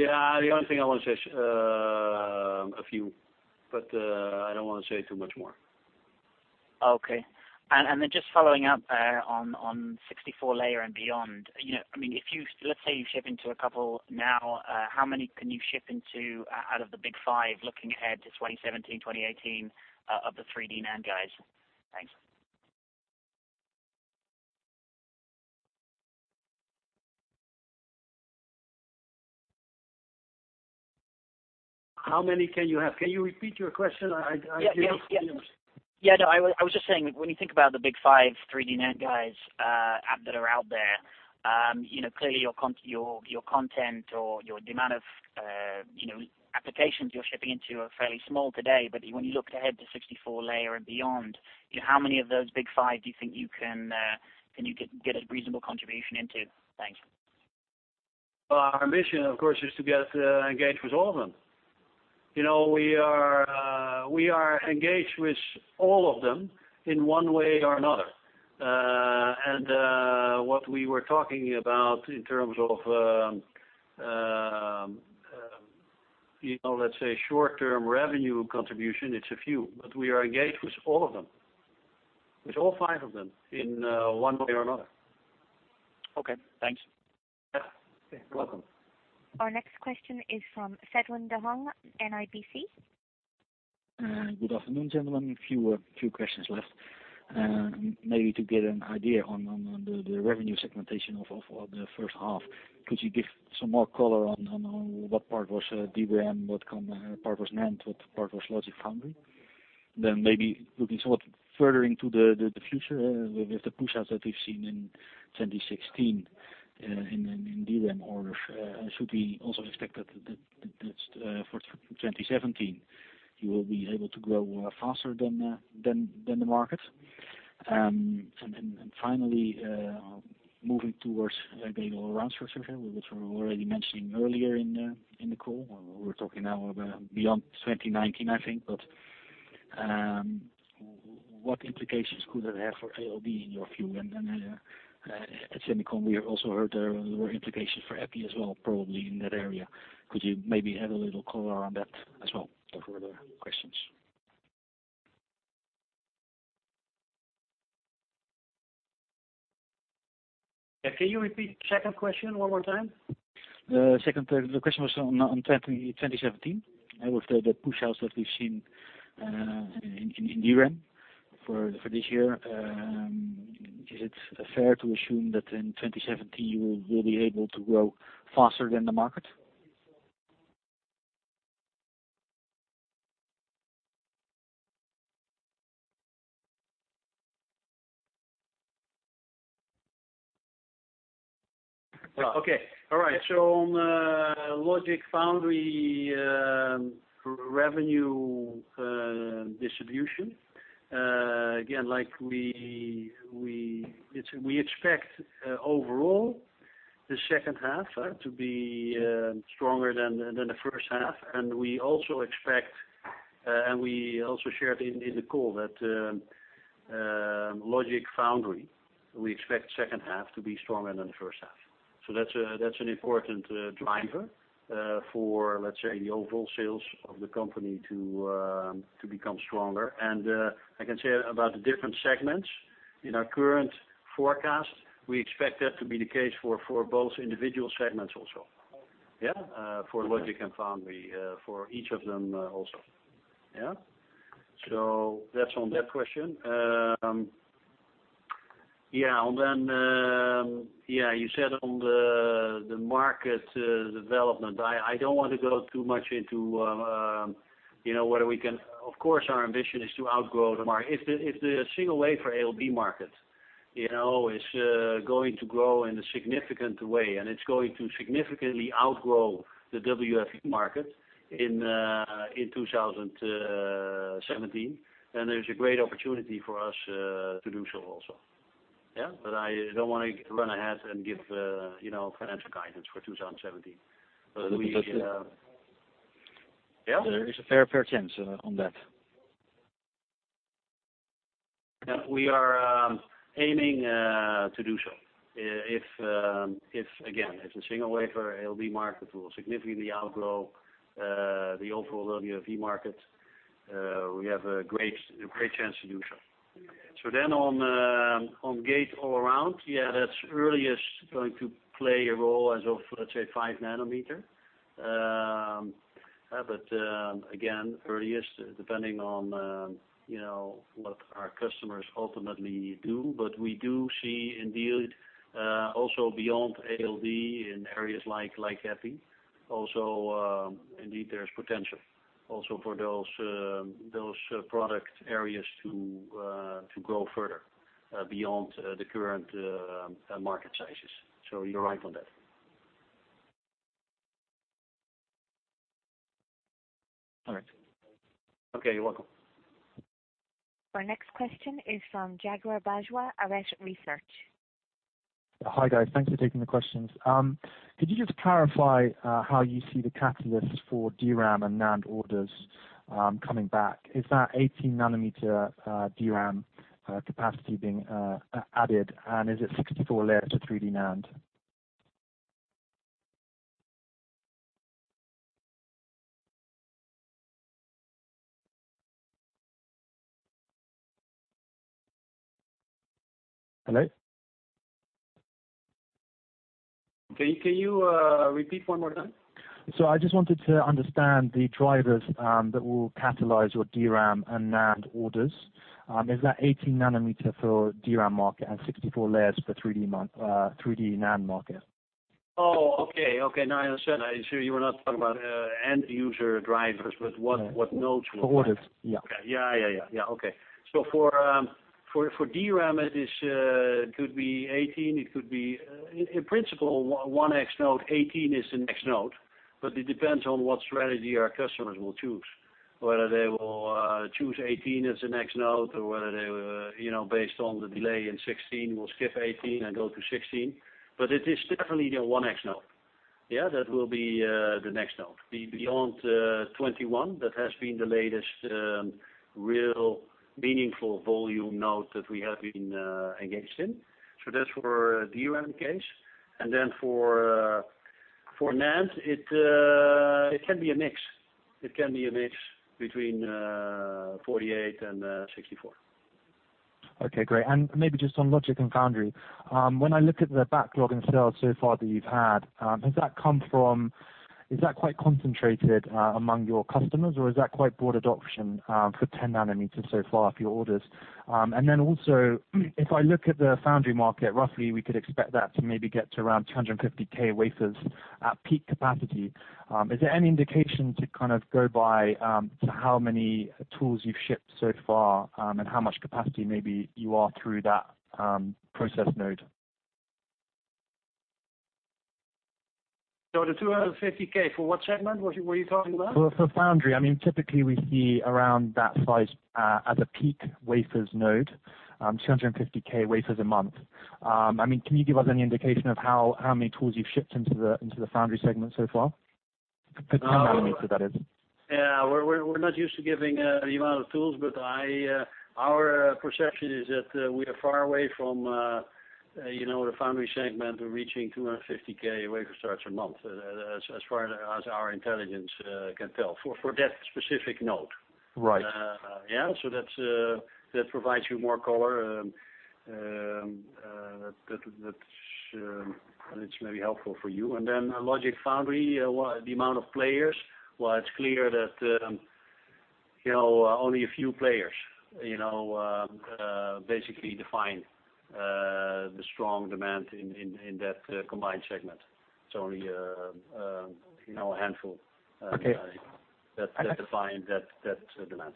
Yeah. The only thing I want to say, a few, but I don't want to say too much more. Okay. Then just following up on 64-layer and beyond. Let's say you ship into a couple now, how many can you ship into out of the big five looking ahead to 2017, 2018, of the 3D NAND guys? Thanks. How many can you have? Can you repeat your question? Yeah. I was just saying, when you think about the big five 3D NAND guys that are out there, clearly your content or the amount of applications you're shipping into are fairly small today. When you look ahead to 64 layer and beyond, how many of those big five do you think you can get a reasonable contribution into? Thanks. Our mission, of course, is to get engaged with all of them. We are engaged with all of them in one way or another. What we were talking about in terms of, let's say, short-term revenue contribution, it's a few. We are engaged with all of them, with all five of them in one way or another. Okay, thanks. Yeah. You're welcome. Our next question is from Edwin de Jong, NIBC. Good afternoon, gentlemen. A few questions left. To get an idea on the revenue segmentation of the first half, could you give some more color on what part was DRAM, what part was NAND, what part was logic foundry? Then maybe looking somewhat further into the future with the pushouts that we've seen in 2016 in DRAM orders, should we also expect that for 2017, you will be able to grow faster than the market? Finally, moving towards gate-all-around structure, which we were already mentioning earlier in the call. We're talking now about beyond 2019, I think, but what implications could that have for ALD in your view? At SEMICON West, we have also heard there were implications for EPI as well, probably in that area. Could you maybe have a little color on that as well? Those were the questions. Can you repeat the second question one more time? The second question was on 2017, with the pushouts that we've seen in DRAM for this year. Is it fair to assume that in 2017, you will be able to grow faster than the market? Okay. All right. On logic foundry revenue distribution, again, we expect overall the second half to be stronger than the first half. We also expect, we also shared in the call that logic foundry, we expect second half to be stronger than the first half. That's an important driver for, let's say, the overall sales of the company to become stronger. I can say about the different segments. In our current forecast, we expect that to be the case for both individual segments also. For logic and foundry, for each of them also. That's on that question. You said on the market development, I don't want to go too much into whether we can. Of course, our ambition is to outgrow the market. If the single wafer ALD market is going to grow in a significant way, and it's going to significantly outgrow the WFE market in 2017, there's a great opportunity for us to do so also. I don't want to run ahead and give financial guidance for 2017. We. There's a fair chance on that. We are aiming to do so. Again, if the single wafer ALD market will significantly outgrow the overall WFE market, we have a great chance to do so. On gate-all-around, that's earliest going to play a role as of, let's say, five nanometer. Again, earliest, depending on what our customers ultimately do. We do see indeed, also beyond ALD in areas like EPI, indeed, there's potential also for those product areas to grow further beyond the current market sizes. You're right on that. All right. Okay, you're welcome. Our next question is from Jagvar Bajwa, Arete Research. Hi, guys. Thanks for taking the questions. Could you just clarify how you see the catalyst for DRAM and NAND orders coming back? Is that 18 nanometer DRAM capacity being added, and is it 64 layer to 3D NAND? Hello? Can you repeat one more time? I just wanted to understand the drivers that will catalyze your DRAM and NAND orders. Is that 18 nanometer for DRAM market and 64 layers for 3D NAND market? Oh, okay. Now I understand. You were not talking about end user drivers, but what nodes we have. Orders. Yeah. For DRAM, it could be 18. In principle, 1x node 18 is the next node, but it depends on what strategy our customers will choose. Whether they will choose 18 as the next node, or whether they, based on the delay in 16, will skip 18 and go to 16. It is definitely the 1x node. That will be the next node. Beyond 21, that has been the latest real meaningful volume node that we have been engaged in. That's for DRAM case. For NAND, it can be a mix. It can be a mix between 48 and 64. Great. Maybe just on logic and foundry. When I look at the backlog in sales so far that you've had, is that quite concentrated among your customers, or is that quite broad adoption for 10 nanometers so far for your orders? If I look at the foundry market, roughly, we could expect that to maybe get to around 250k wafers at peak capacity. Is there any indication to kind of go by to how many tools you've shipped so far, and how much capacity maybe you are through that process node? The 250k, for what segment were you talking about? For foundry. Typically, we see around that size as a peak wafers node, 250k wafers a month. Can you give us any indication of how many tools you've shipped into the foundry segment so far? For 10 nanometer, that is. Yeah, we're not used to giving the amount of tools, but our perception is that we are far away from the foundry segment reaching 250,000 wafer starts a month, as far as our intelligence can tell, for that specific node. Right. Yeah. That provides you more color. That's maybe helpful for you. Logic foundry, the amount of players. Well, it's clear that only a few players basically define the strong demand in that combined segment. It's only a handful- Okay that define that demand.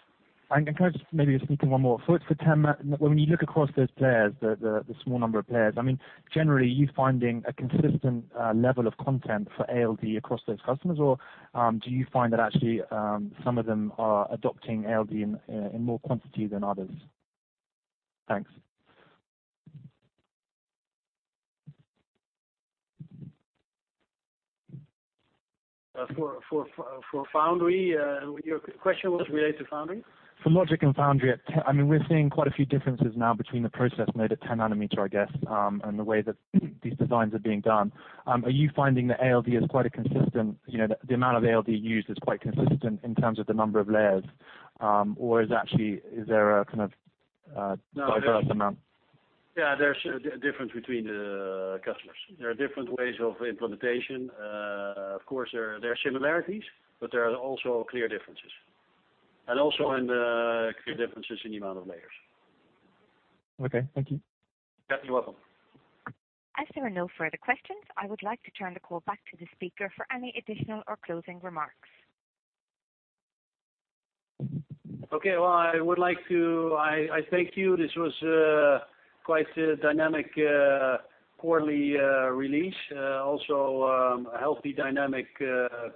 Can I just maybe sneak in one more? It's the 10 nanometer. When you look across those players, the small number of players, generally, are you finding a consistent level of content for ALD across those customers, or do you find that actually some of them are adopting ALD in more quantity than others? Thanks. For foundry, your question was related to foundry? For logic and foundry. We're seeing quite a few differences now between the process node at 10 nanometer, I guess, and the way that these designs are being done. Are you finding the amount of ALD used is quite consistent in terms of the number of layers? Or is there a kind of diverse amount? Yeah, there's difference between the customers. There are different ways of implementation. Of course, there are similarities, but there are also clear differences. Also clear differences in the amount of layers. Okay, thank you. Yeah, you're welcome. As there are no further questions, I would like to turn the call back to the speaker for any additional or closing remarks. Okay. Well, I thank you. This was quite the dynamic quarterly release. Also, a healthy dynamic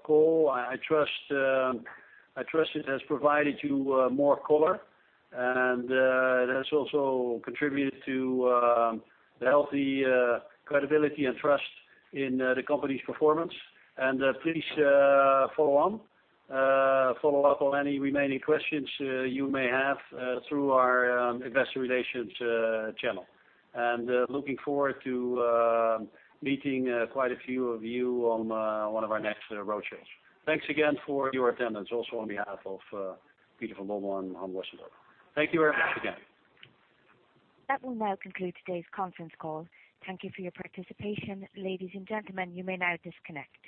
call. I trust it has provided you more color, and it has also contributed to the healthy credibility and trust in the company's performance. Please follow up on any remaining questions you may have through our investor relations channel. Looking forward to meeting quite a few of you on one of our next road shows. Thanks again for your attendance, also on behalf of Peter van Bommel and Han Westendorp. Thank you very much again. That will now conclude today's conference call. Thank you for your participation. Ladies and gentlemen, you may now disconnect.